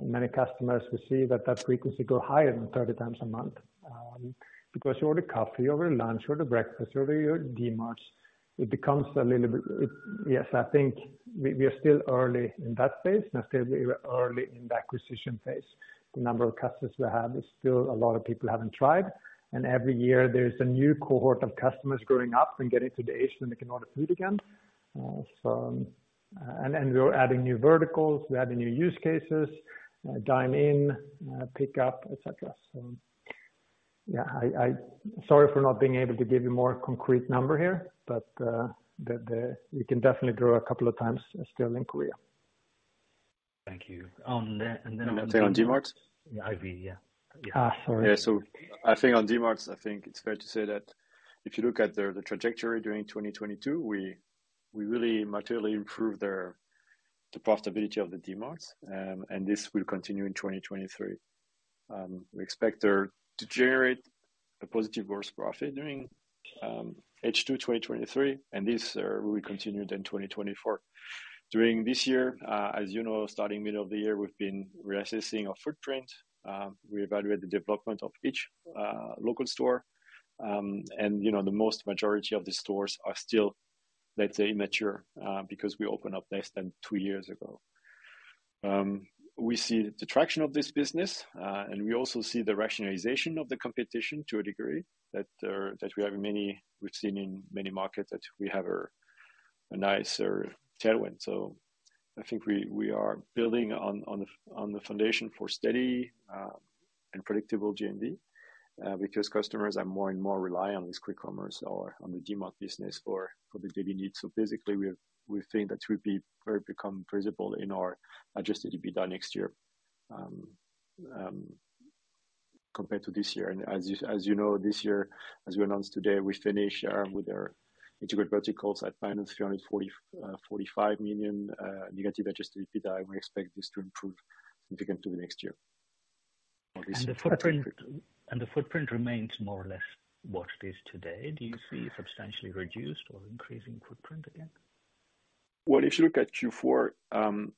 many customers, we see that that frequency go higher than 30x a month, because you order coffee, order lunch, order breakfast, order your Dmarts. Yes, I think we are still early in that phase, I think we are early in the acquisition phase. The number of customers we have is still a lot of people haven't tried, every year there's a new cohort of customers growing up and getting to the age when they can order food again. We are adding new verticals, we're adding new use cases, dine in, pick up, et cetera. Sorry for not being able to give you more concrete number here, we can definitely grow a couple of times still in Korea. Thank you. Can I say on Dmarts? Yeah, IV, yeah. Sorry. I think on Dmarts, I think it's fair to say that if you look at the trajectory during 2022, we really materially improved the profitability of the Dmarts, and this will continue in 2023. We expect there to generate a positive gross profit during H2 2023, and this will be continued in 2024. During this year, as you know, starting middle of the year, we've been reassessing our footprint. We evaluate the development of each local store. You know, the most majority of the stores are still, let's say, mature, because we opened up less than two years ago. We see the traction of this business, and we also see the rationalization of the competition to a degree that we have many we've seen in many markets that we have a nicer tailwind. I think we are building on the foundation for steady and predictable GMV because customers are more and more rely on these quick commerce or on the Dmart business for the daily needs. Basically, we think that will be or become visible in our adjusted EBITDA next year compared to this year. As you know, this year, as we announced today, we finish with our Integrated Verticals at -345 million negative adjusted EBITDA, and we expect this to improve significantly next year. The footprint remains more or less what it is today. Do you see substantially reduced or increasing footprint again? If you look at Q4,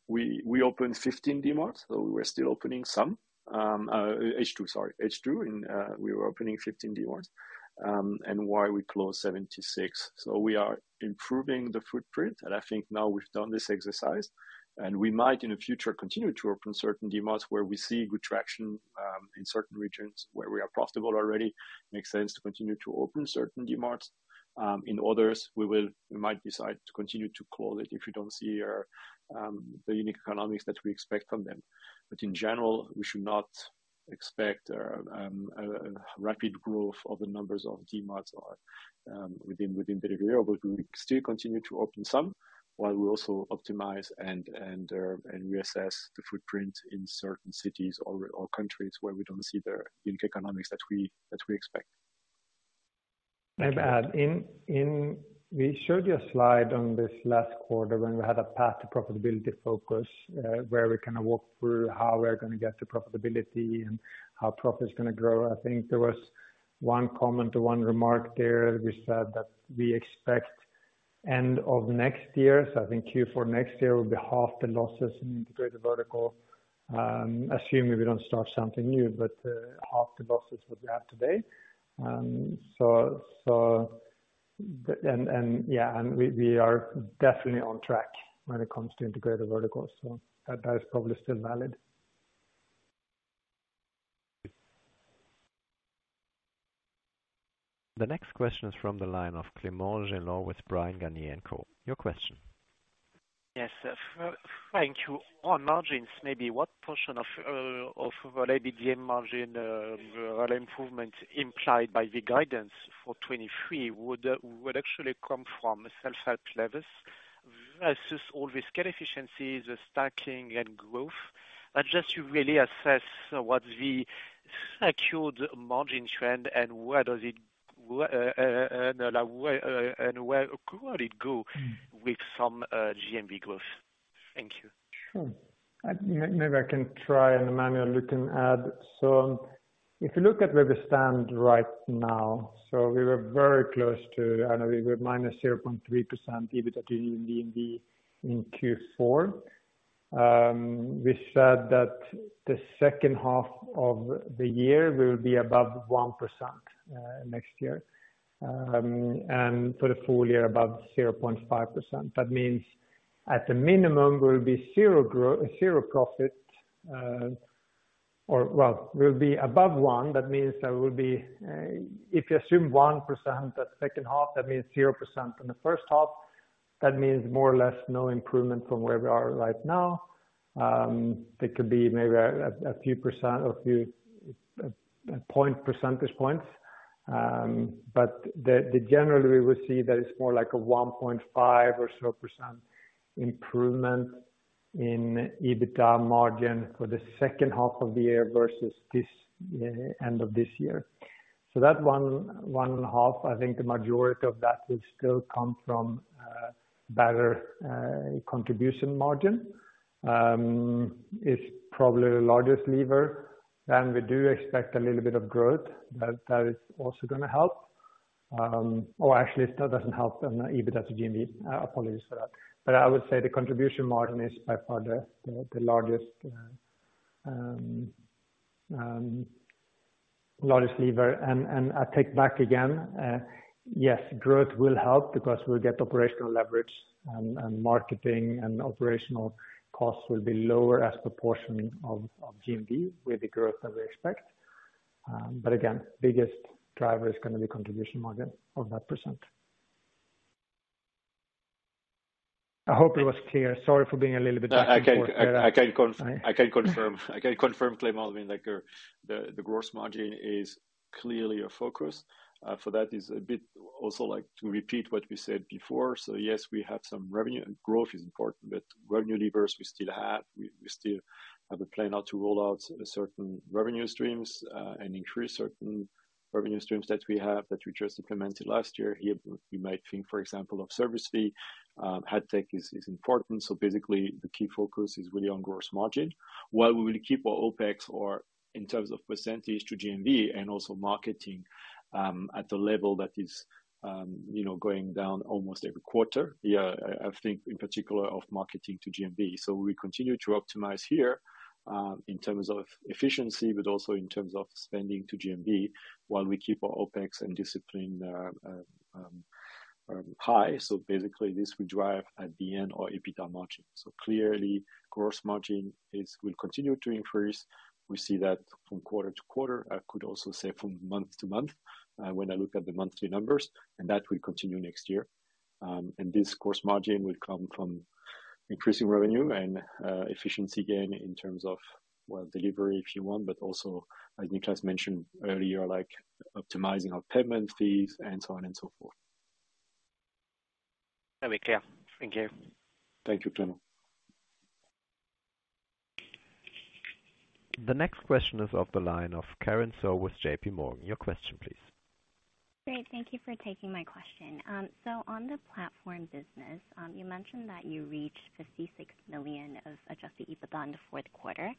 we opened 15 Dmarts, so we're still opening some. H2, sorry. H2, and we were opening 15 Dmarts, and while we closed 76. We are improving the footprint, and I think now we've done this exercise, and we might in the future continue to open certain Dmarts where we see good traction, in certain regions where we are profitable already. Makes sense to continue to open certain Dmarts. In others, we might decide to continue to close it if we don't see or the unique economics that we expect from them. In general, we should not expect a rapid growth of the numbers of Dmarts or within the degree. We will still continue to open some while we also optimize and reassess the footprint in certain cities or countries where we don't see the unique economics that we expect. May I add? We showed you a slide on this last quarter when we had a path to profitability focus, where we kinda walked through how we're gonna get to profitability and how profit's gonna grow. I think there was one comment or one remark there. We said that we expect end of next year, so I think Q4 next year will be half the losses in Integrated Verticals, assuming we don't start something new. Half the losses that we have today. And yeah, we are definitely on track when it comes to Integrated Verticals. That is probably still valid. The next question is from the line of Clément Genelot with Bryan, Garnier & Co. Your question. Yes, thank you. On margins, maybe what portion of the EBITDA margin, the improvement implied by the guidance for 2023 would actually come from self-help levels versus all the scale efficiencies, the stacking and growth. Just to really assess what the secured margin trend and where does it, and where could it go with some GMV growth? Thank you. Sure. maybe I can try and Emmanuel you can add. If you look at where we stand right now, we were very close to... I know we were minus 0.3% EBITDA in GMV in Q4. We said that the second half of the year will be above 1%, next year. For the full year, above 0.5%. That means at the minimum, we'll be zero profit, or well, we'll be above 1%. That means there will be, if you assume 1% at second half, that means 0% in the first half. That means more or less no improvement from where we are right now. There could be maybe a few percent or few point percentage points. The generally we see that it's more like a 1.5% or so improvement in EBITDA margin for the second half of the year versus this end of this year. That one half, I think the majority of that will still come from Better contribution margin, is probably the largest lever, and we do expect a little bit of growth. That is also gonna help. Actually, that doesn't help them, EBITDA to GMV, apologies for that. I would say the contribution margin is by far the largest lever. I take back again, yes, growth will help because we'll get operational leverage, and marketing and operational costs will be lower as proportion of GMV with the growth that we expect. Again, biggest driver is gonna be contribution margin of that percentage. I hope it was clear. Sorry for being. I can confirm. I can confirm. I can confirm, Clément, I mean, like, the gross margin is clearly a focus. For that is a bit also like to repeat what we said before. Yes, we have some revenue and growth is important, but revenue levers we still have. We still have a plan how to roll out certain revenue streams and increase certain revenue streams that we have that we just implemented last year. Here, we might think, for example, of service fee. AdTech is important, basically the key focus is really on gross margin. While we will keep our OpEx or in terms of percentage to GMV and also marketing, at the level that is, you know, going down almost every quarter. Yeah, I think in particular of marketing to GMV. We continue to optimize here, in terms of efficiency, but also in terms of spending to GMV while we keep our OpEx and discipline high. Basically, this will drive at the end our EBITDA margin. Clearly, gross margin will continue to increase. We see that from quarter to quarter. I could also say from month to month, when I look at the monthly numbers, and that will continue next year. This gross margin will come from increasing revenue and efficiency gain in terms of, well, delivery, if you want, but also, as Niklas mentioned earlier, like optimizing our payment fees and so on and so forth. That be clear. Thank you. Thank you, Clément. The next question is of the line of Karen So with JPMorgan. Your question please. Great. Thank you for taking my question. On the platform business, you mentioned that you reached 56 million of adjusted EBITDA in the fourth quarter.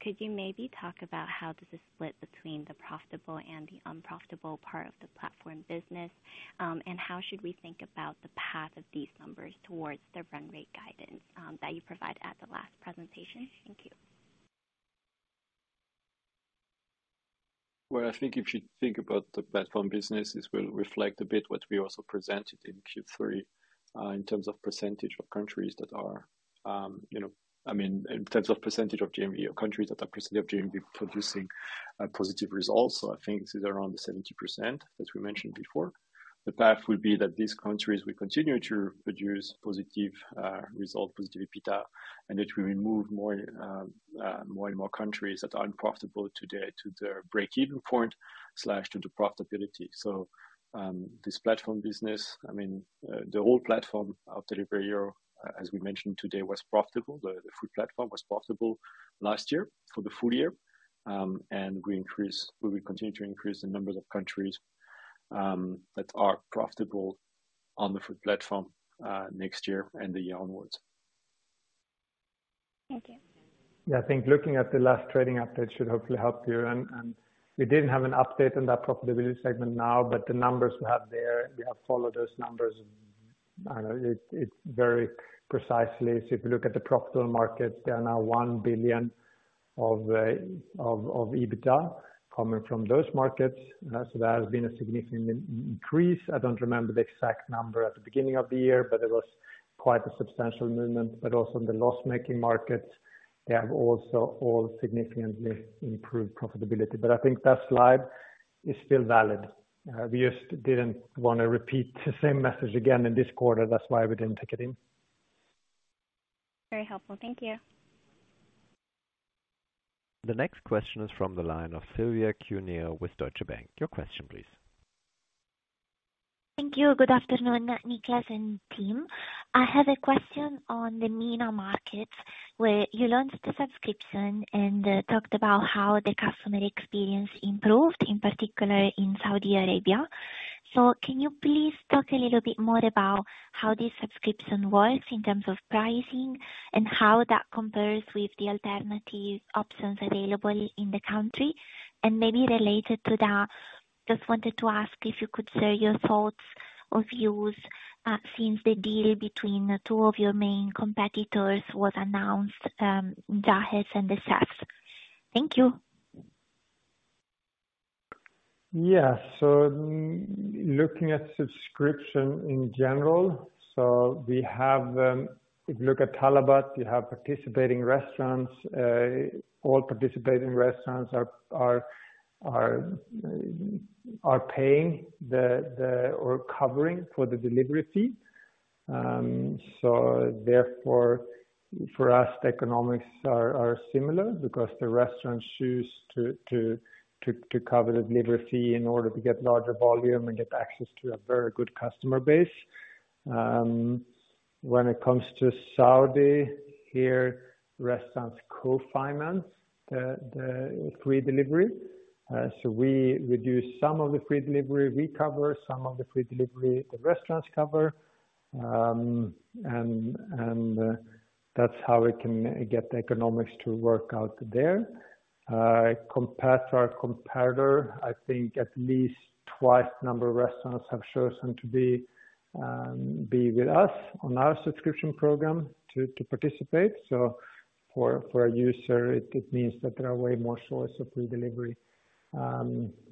Could you maybe talk about how does this split between the profitable and the unprofitable part of the platform business? How should we think about the path of these numbers towards the run rate guidance, that you provide at the last presentation? Thank you. I think if you think about the platform business, this will reflect a bit what we also presented in Q3, in terms of percentage of countries that are, you know, I mean, in terms of percentage of GMV or countries that are producing of GMV producing positive results. I think this is around 70%, as we mentioned before. The path will be that these countries will continue to produce positive result, positive EBITDA, and it will remove more and more countries that are unprofitable today to their break-even point/to the profitability. This platform business, I mean, the whole platform of Delivery Hero, as we mentioned today, was profitable. The food platform was profitable last year for the full year. We will continue to increase the numbers of countries that are profitable on the food platform next year and the year onwards. Thank you. Yeah. I think looking at the last trading update should hopefully help here. We didn't have an update on that profitability segment now, but the numbers we have there, we have followed those numbers. I don't know. It's very precisely. If you look at the profitable markets, there are now 1 billion of EBITDA coming from those markets. There has been a significant increase. I don't remember the exact number at the beginning of the year, but it was quite a substantial movement. Also in the loss-making markets, they have also all significantly improved profitability. I think that slide is still valid. We just didn't wanna repeat the same message again in this quarter. That's why we didn't take it in. Very helpful. Thank you. The next question is from the line of Silvia Cuneo with Deutsche Bank. Your question please. Thank you. Good afternoon, Niklas and team. I have a question on the MENA markets, where you launched the subscription and talked about how the customer experience improved, in particular in Saudi Arabia. Can you please talk a little bit more about how this subscription works in terms of pricing and how that compares with the alternative options available in the country? Maybe related to that, just wanted to ask if you could share your thoughts or views since the deal between two of your main competitors was announced, Jahez and The Chefz. Thank you. Yeah. Looking at subscription in general, so we have, if you look at talabat, you have participating restaurants. All participating restaurants are paying or covering for the delivery fee. Therefore for us, the economics are similar because the restaurants choose to cover the delivery fee in order to get larger volume and get access to a very good customer base. When it comes to Saudi here restaurants co-finance the free delivery. We reduce some of the free delivery we cover, some of the free delivery the restaurants cover. And that's how we can get the economics to work out there. Compared to our competitor, I think at least twice the number of restaurants have chosen to be with us on our subscription program to participate. For a user, it means that there are way more source of free delivery.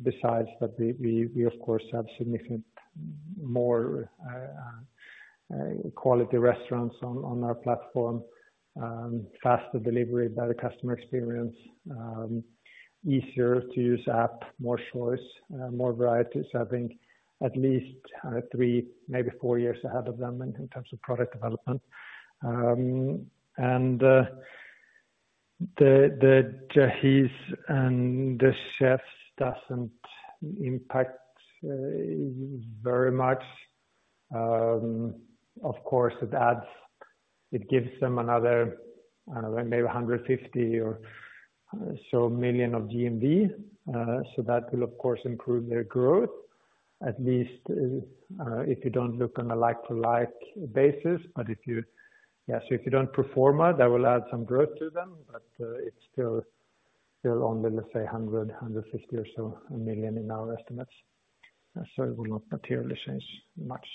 Besides that, we of course have significant more quality restaurants on our platform, faster delivery, better customer experience, easier to use app, more choice, more varieties. I think at least three, maybe four years ahead of them in terms of product development. The Jahez and The Chefz doesn't impact very much. Of course it gives them another, I don't know, maybe 150 million or so of GMV. That will of course improve their growth at least, if you don't look on a like-to-like basis. Yeah, if you don't pro forma, that will add some growth to them, it's still only let's say 100 million-150 million or so in our estimates. It will not materially change much.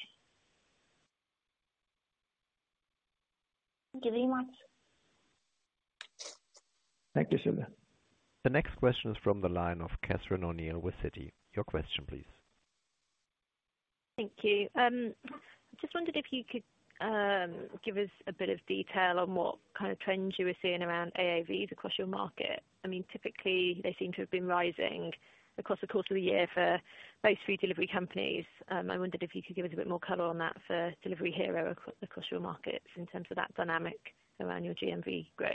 Thank you very much. Thank you, Silvia. The next question is from the line of Catherine O'Neill with Citi. Your question please. Thank you. just wondered if you could give us a bit of detail on what kind of trends you were seeing around AOVs across your market. I mean, typically they seem to have been rising across the course of the year for most food delivery companies. I wondered if you could give us a bit more color on that for Delivery Hero across your markets in terms of that dynamic around your GMV growth.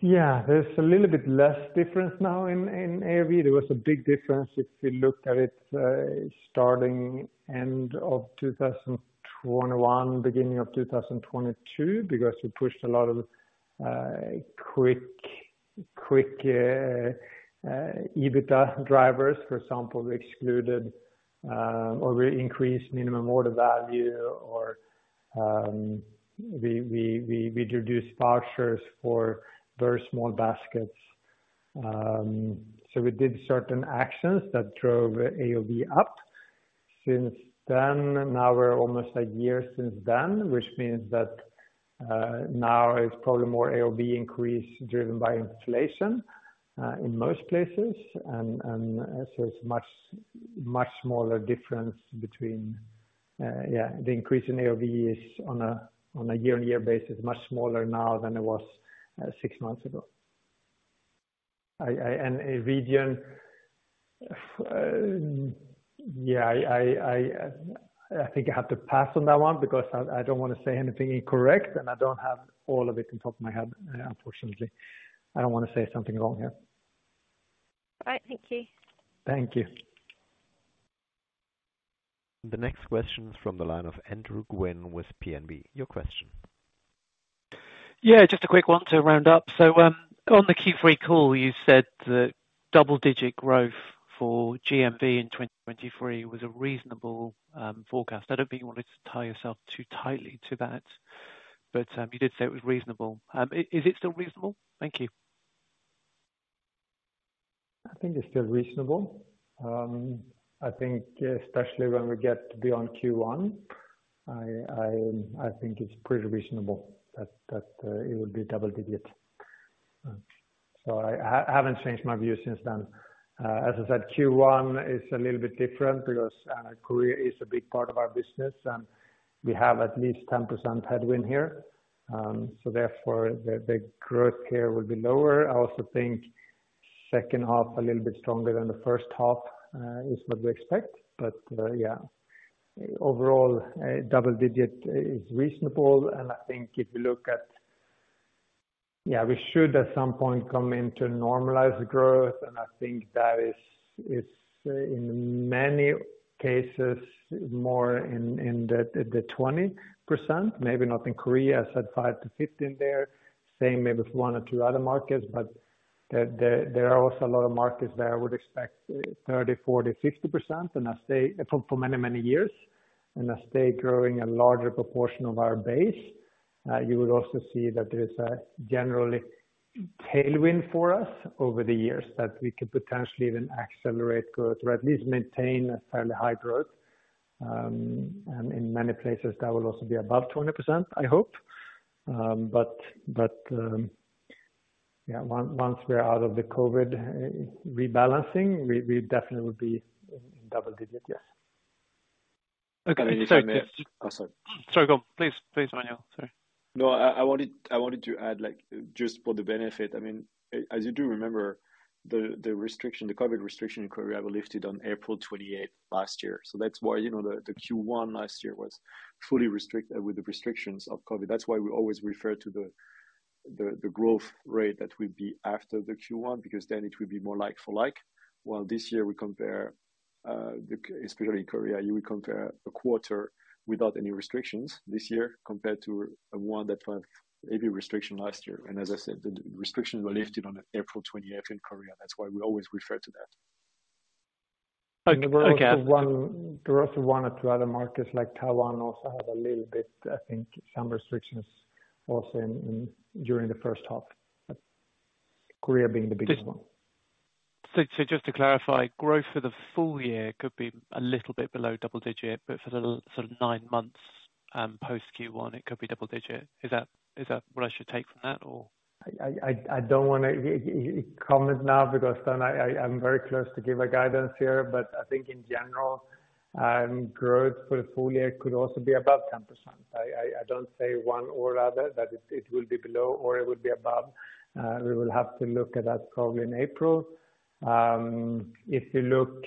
Yeah. There's a little bit less difference now in AOV. There was a big difference if you look at it, starting end of 2021, beginning of 2022 because we pushed a lot of quick EBITDA drivers. For example, we excluded or we increased minimum order value or we reduced vouchers for very small baskets. We did certain actions that drove AOV up. Since then, now we're almost a year since then, which means that now it's probably more AOV increase driven by inflation in most places. It's much smaller difference between. The increase in AOV is on a year-on-year basis, much smaller now than it was six months ago. EVGian, yeah, I think I have to pass on that one because I don't wanna say anything incorrect, and I don't have all of it on top of my head, unfortunately. I don't wanna say something wrong here. All right. Thank you. Thank you. The next question is from the line of Andrew Gwynn with PNB. Your question. Yeah, just a quick one to round up. On the Q3 call, you said that double-digit growth for GMV in 2023 was a reasonable forecast. I don't think you wanted to tie yourself too tightly to that, but you did say it was reasonable. Is it still reasonable? Thank you. I think it's still reasonable. I think especially when we get beyond Q1, I think it's pretty reasonable that it will be double-digit. I haven't changed my view since then. As I said, Q1 is a little bit different because Korea is a big part of our business, and we have at least 10% headwind here. Therefore, the growth here will be lower. I also think second half a little bit stronger than the first half, is what we expect. Yeah, overall, double-digit is reasonable. I think if you look at, yeah, we should at some point come into normalized growth. I think that is in many cases more in the 20%, maybe not in Korea, I said 5%-15% there. Same maybe for one or two other markets. There are also a lot of markets that I would expect 30%, 40%, 50% and I say for many, many years. As they growing a larger proportion of our base, you will also see that there is a generally tailwind for us over the years that we could potentially even accelerate growth or at least maintain a fairly high growth. In many places that will also be above 20%, I hope. But, yeah, once we're out of the COVID rebalancing, we definitely will be in double digits. Yes. Okay. Sorry. Sorry. Go. Please. Please, Emmanuel. Sorry. No. I wanted to add, like, just for the benefit. I mean, as you do remember the restriction, the COVID restriction in Korea were lifted on April 28 last year. That's why, you know, the Q1 last year was fully restricted with the restrictions of COVID. That's why we always refer to the The growth rate that will be after the Q1, because then it will be more like for like, while this year we compare, especially in Korea, you will compare a quarter without any restrictions this year compared to a one that had heavy restriction last year. As I said, the restrictions were lifted on April twenty-eighth in Korea. That's why we always refer to that. Okay. There was one or two other markets like Taiwan also had a little bit, I think some restrictions also during the first half, Korea being the biggest one. Just to clarify, growth for the full year could be a little bit below double digit, but for the sort of 9 months, post Q1, it could be double digit. Is that what I should take from that or? I don't wanna comment now because then I'm very close to give a guidance here, but I think in general, growth for the full year could also be above 10%. I don't say one or other, that it will be below or it will be above. We will have to look at that probably in April. If you look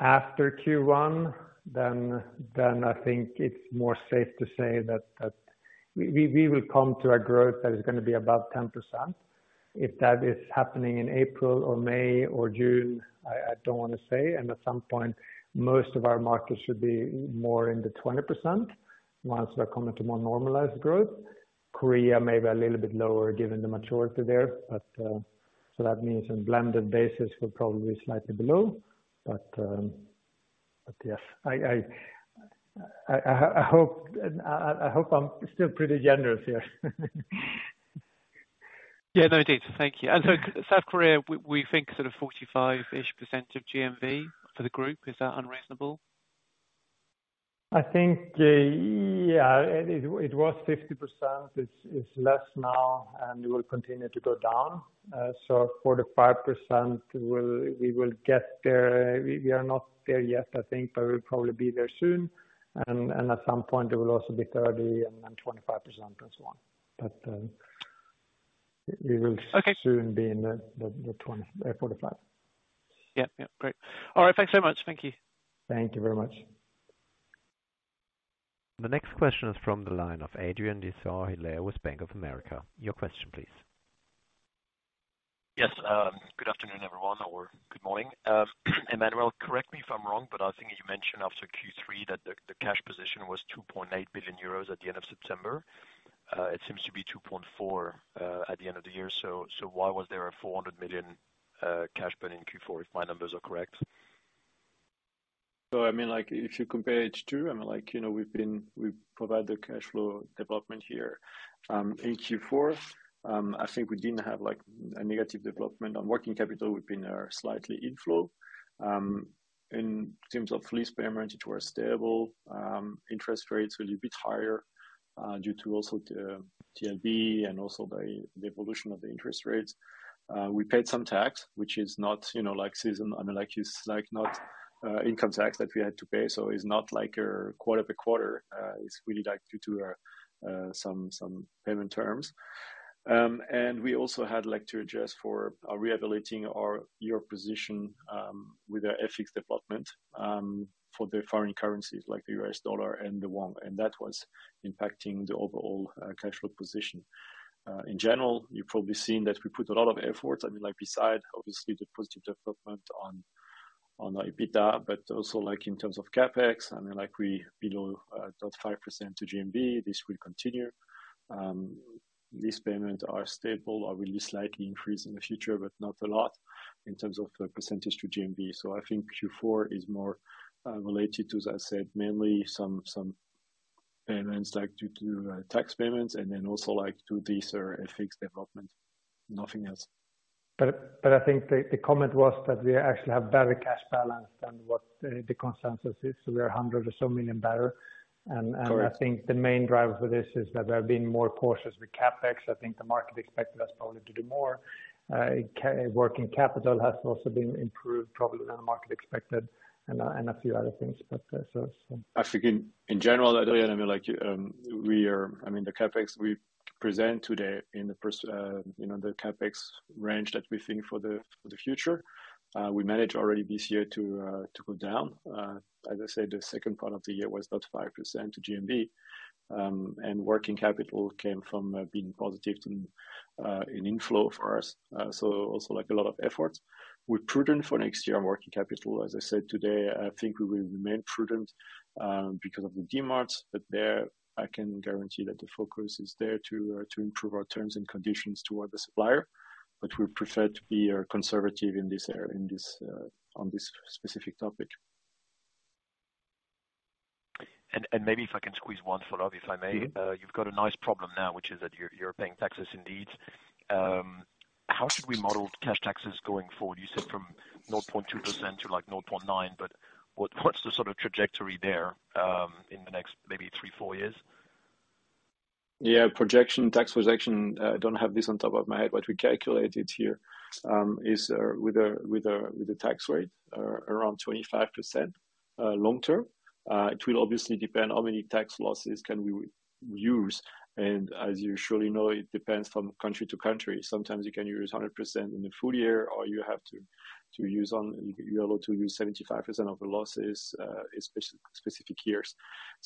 after Q1, then I think it's more safe to say that we will come to a growth that is gonna be above 10%. If that is happening in April or May or June, I don't wanna say. At some point, most of our markets should be more in the 20% once they're coming to more normalized growth. Korea may be a little bit lower given the maturity there. That means on blended basis, we're probably slightly below. Yes, I hope I'm still pretty generous here. Yeah. No, indeed. Thank you. South Korea, we think sort of 45-ish% of GMV for the group. Is that unreasonable? I think, yeah, it was 50%. It's less now and it will continue to go down. 45%. We will get there. We are not there yet, I think, but we'll probably be there soon. At some point it will also be 30%, 25% and so on. Okay. Soon be in the 2045. Yeah. Yeah. Great. All right. Thanks so much. Thank you. Thank you very much. The next question is from the line of Adrien de Saint Hilaire with Bank of America. Your question, please. Good afternoon, everyone, or good morning. Emmanuel, correct me if I'm wrong, but I think you mentioned after Q3 that the cash position was 2.8 billion euros at the end of September. It seems to be 2.4 billion at the end of the year. Why was there a 400 million cash burn in Q4, if my numbers are correct? If you compare H2, we provide the cash flow development here. In Q4, I think we didn't have a negative development. On working capital, we've been slightly in flow. In terms of lease payment, it was stable. Interest rates were a little bit higher due to also the TLB and also the evolution of the interest rates. We paid some tax, which is not season. It's not income tax that we had to pay. It's not your quarter by quarter. It's really due to some payment terms. We also had like to adjust for rehabilitating our Euro position with our FX development for the foreign currencies like the US dollar and the Won, and that was impacting the overall cash flow position. In general, you've probably seen that we put a lot of efforts. I mean, like, besides obviously the positive development on our EBITDA, but also like in terms of CapEx, I mean, like we below that 5% to GMV, this will continue. Lease payments are stable, are really slightly increased in the future, but not a lot in terms of the percentage to GMV. I think Q4 is more related to, as I said, mainly some payments like due to tax payments and then also like to these FX development, nothing else. I think the comment was that we actually have better cash balance than what the consensus is. We are 100 million or so better. Correct. I think the main driver for this is that we have been more cautious with CapEx. I think the market expected us probably to do more. working capital has also been improved probably than the market expected and a few other things. I think in general, Adrien, I mean, like, the CapEx we present today in the first, the CapEx range that we think for the future, we managed already this year to go down. As I said, the second part of the year was about 5% to GMV, and working capital came from being positive to an inflow for us. Also like a lot of efforts. We're prudent for next year on working capital. As I said today, I think we will remain prudent because of the Dmarts, but there I can guarantee that the focus is there to improve our terms and conditions toward the supplier, but we prefer to be conservative in this area, on this specific topic. Maybe if I can squeeze one follow-up, if I may. You've got a nice problem now, which is that you're paying taxes indeed. How should we model cash taxes going forward? You said from 0.2% to 0.9%, but what's the sort of trajectory there, in the next maybe three, four years? Yeah. Projection, tax projection, I don't have this on top of my head, but we calculated here is with a tax rate around 25% long term. It will obviously depend how many tax losses can we use, and as you surely know, it depends from country to country. Sometimes you can use 100% in the full year or you're able to use 75% of the losses in specific years.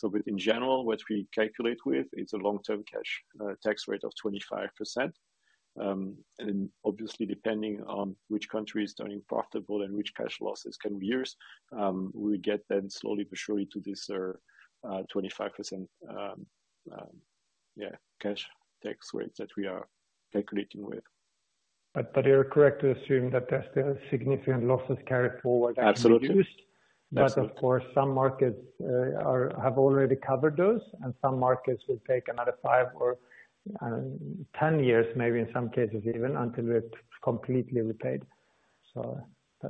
But in general, what we calculate with, it's a long-term cash tax rate of 25%. Obviously depending on which country is turning profitable and which cash losses can we use, we get then slowly but surely to this 25% cash tax rate that we are calculating with. But you are correct to assume that there's still significant losses carried forward. Absolutely. That's of course some markets, have already covered those, and some markets will take another five or 10 years, maybe in some cases even, until they're completely repaid.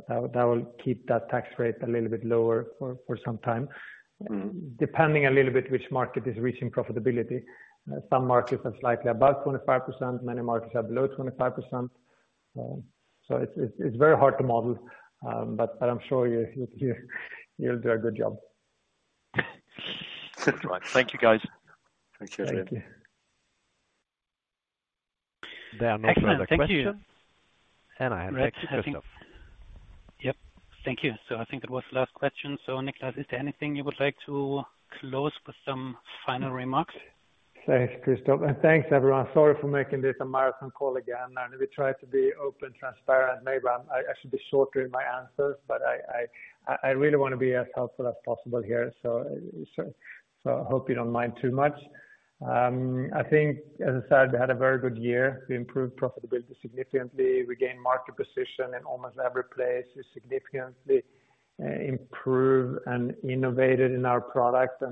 That, that will keep that tax rate a little bit lower for some time. Depending a little bit which market is reaching profitability. Some markets are slightly above 25%, many markets are below 25%. It's very hard to model, but I'm sure you'll do a good job. That's right. Thank you, guys. Thank you. Thank you. There are no further questions, and I have. Thank you. Thanks Christoph. Yep. Thank you. I think that was the last question. Niklas, is there anything you would like to close with some final remarks? Thanks, Christoph, and thanks, everyone. Sorry for making this a marathon call again. We try to be open, transparent. Maybe I should be shorter in my answers, but I really wanna be as helpful as possible here. Hope you don't mind too much. I think, as I said, we had a very good year. We improved profitability significantly. We gained market position in almost every place. We significantly improved and innovated in our products.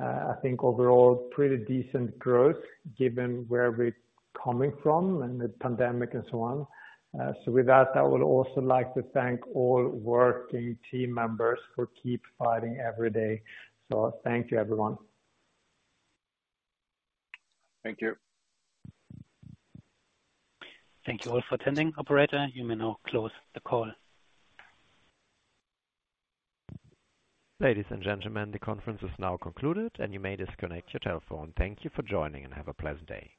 I think overall, pretty decent growth given where we're coming from and the pandemic and so on. With that, I would also like to thank all working team members who keep fighting every day. Thank you, everyone. Thank you. Thank you all for attending. Operator, you may now close the call. Ladies and gentlemen, the conference is now concluded. You may disconnect your telephone. Thank you for joining. Have a pleasant day.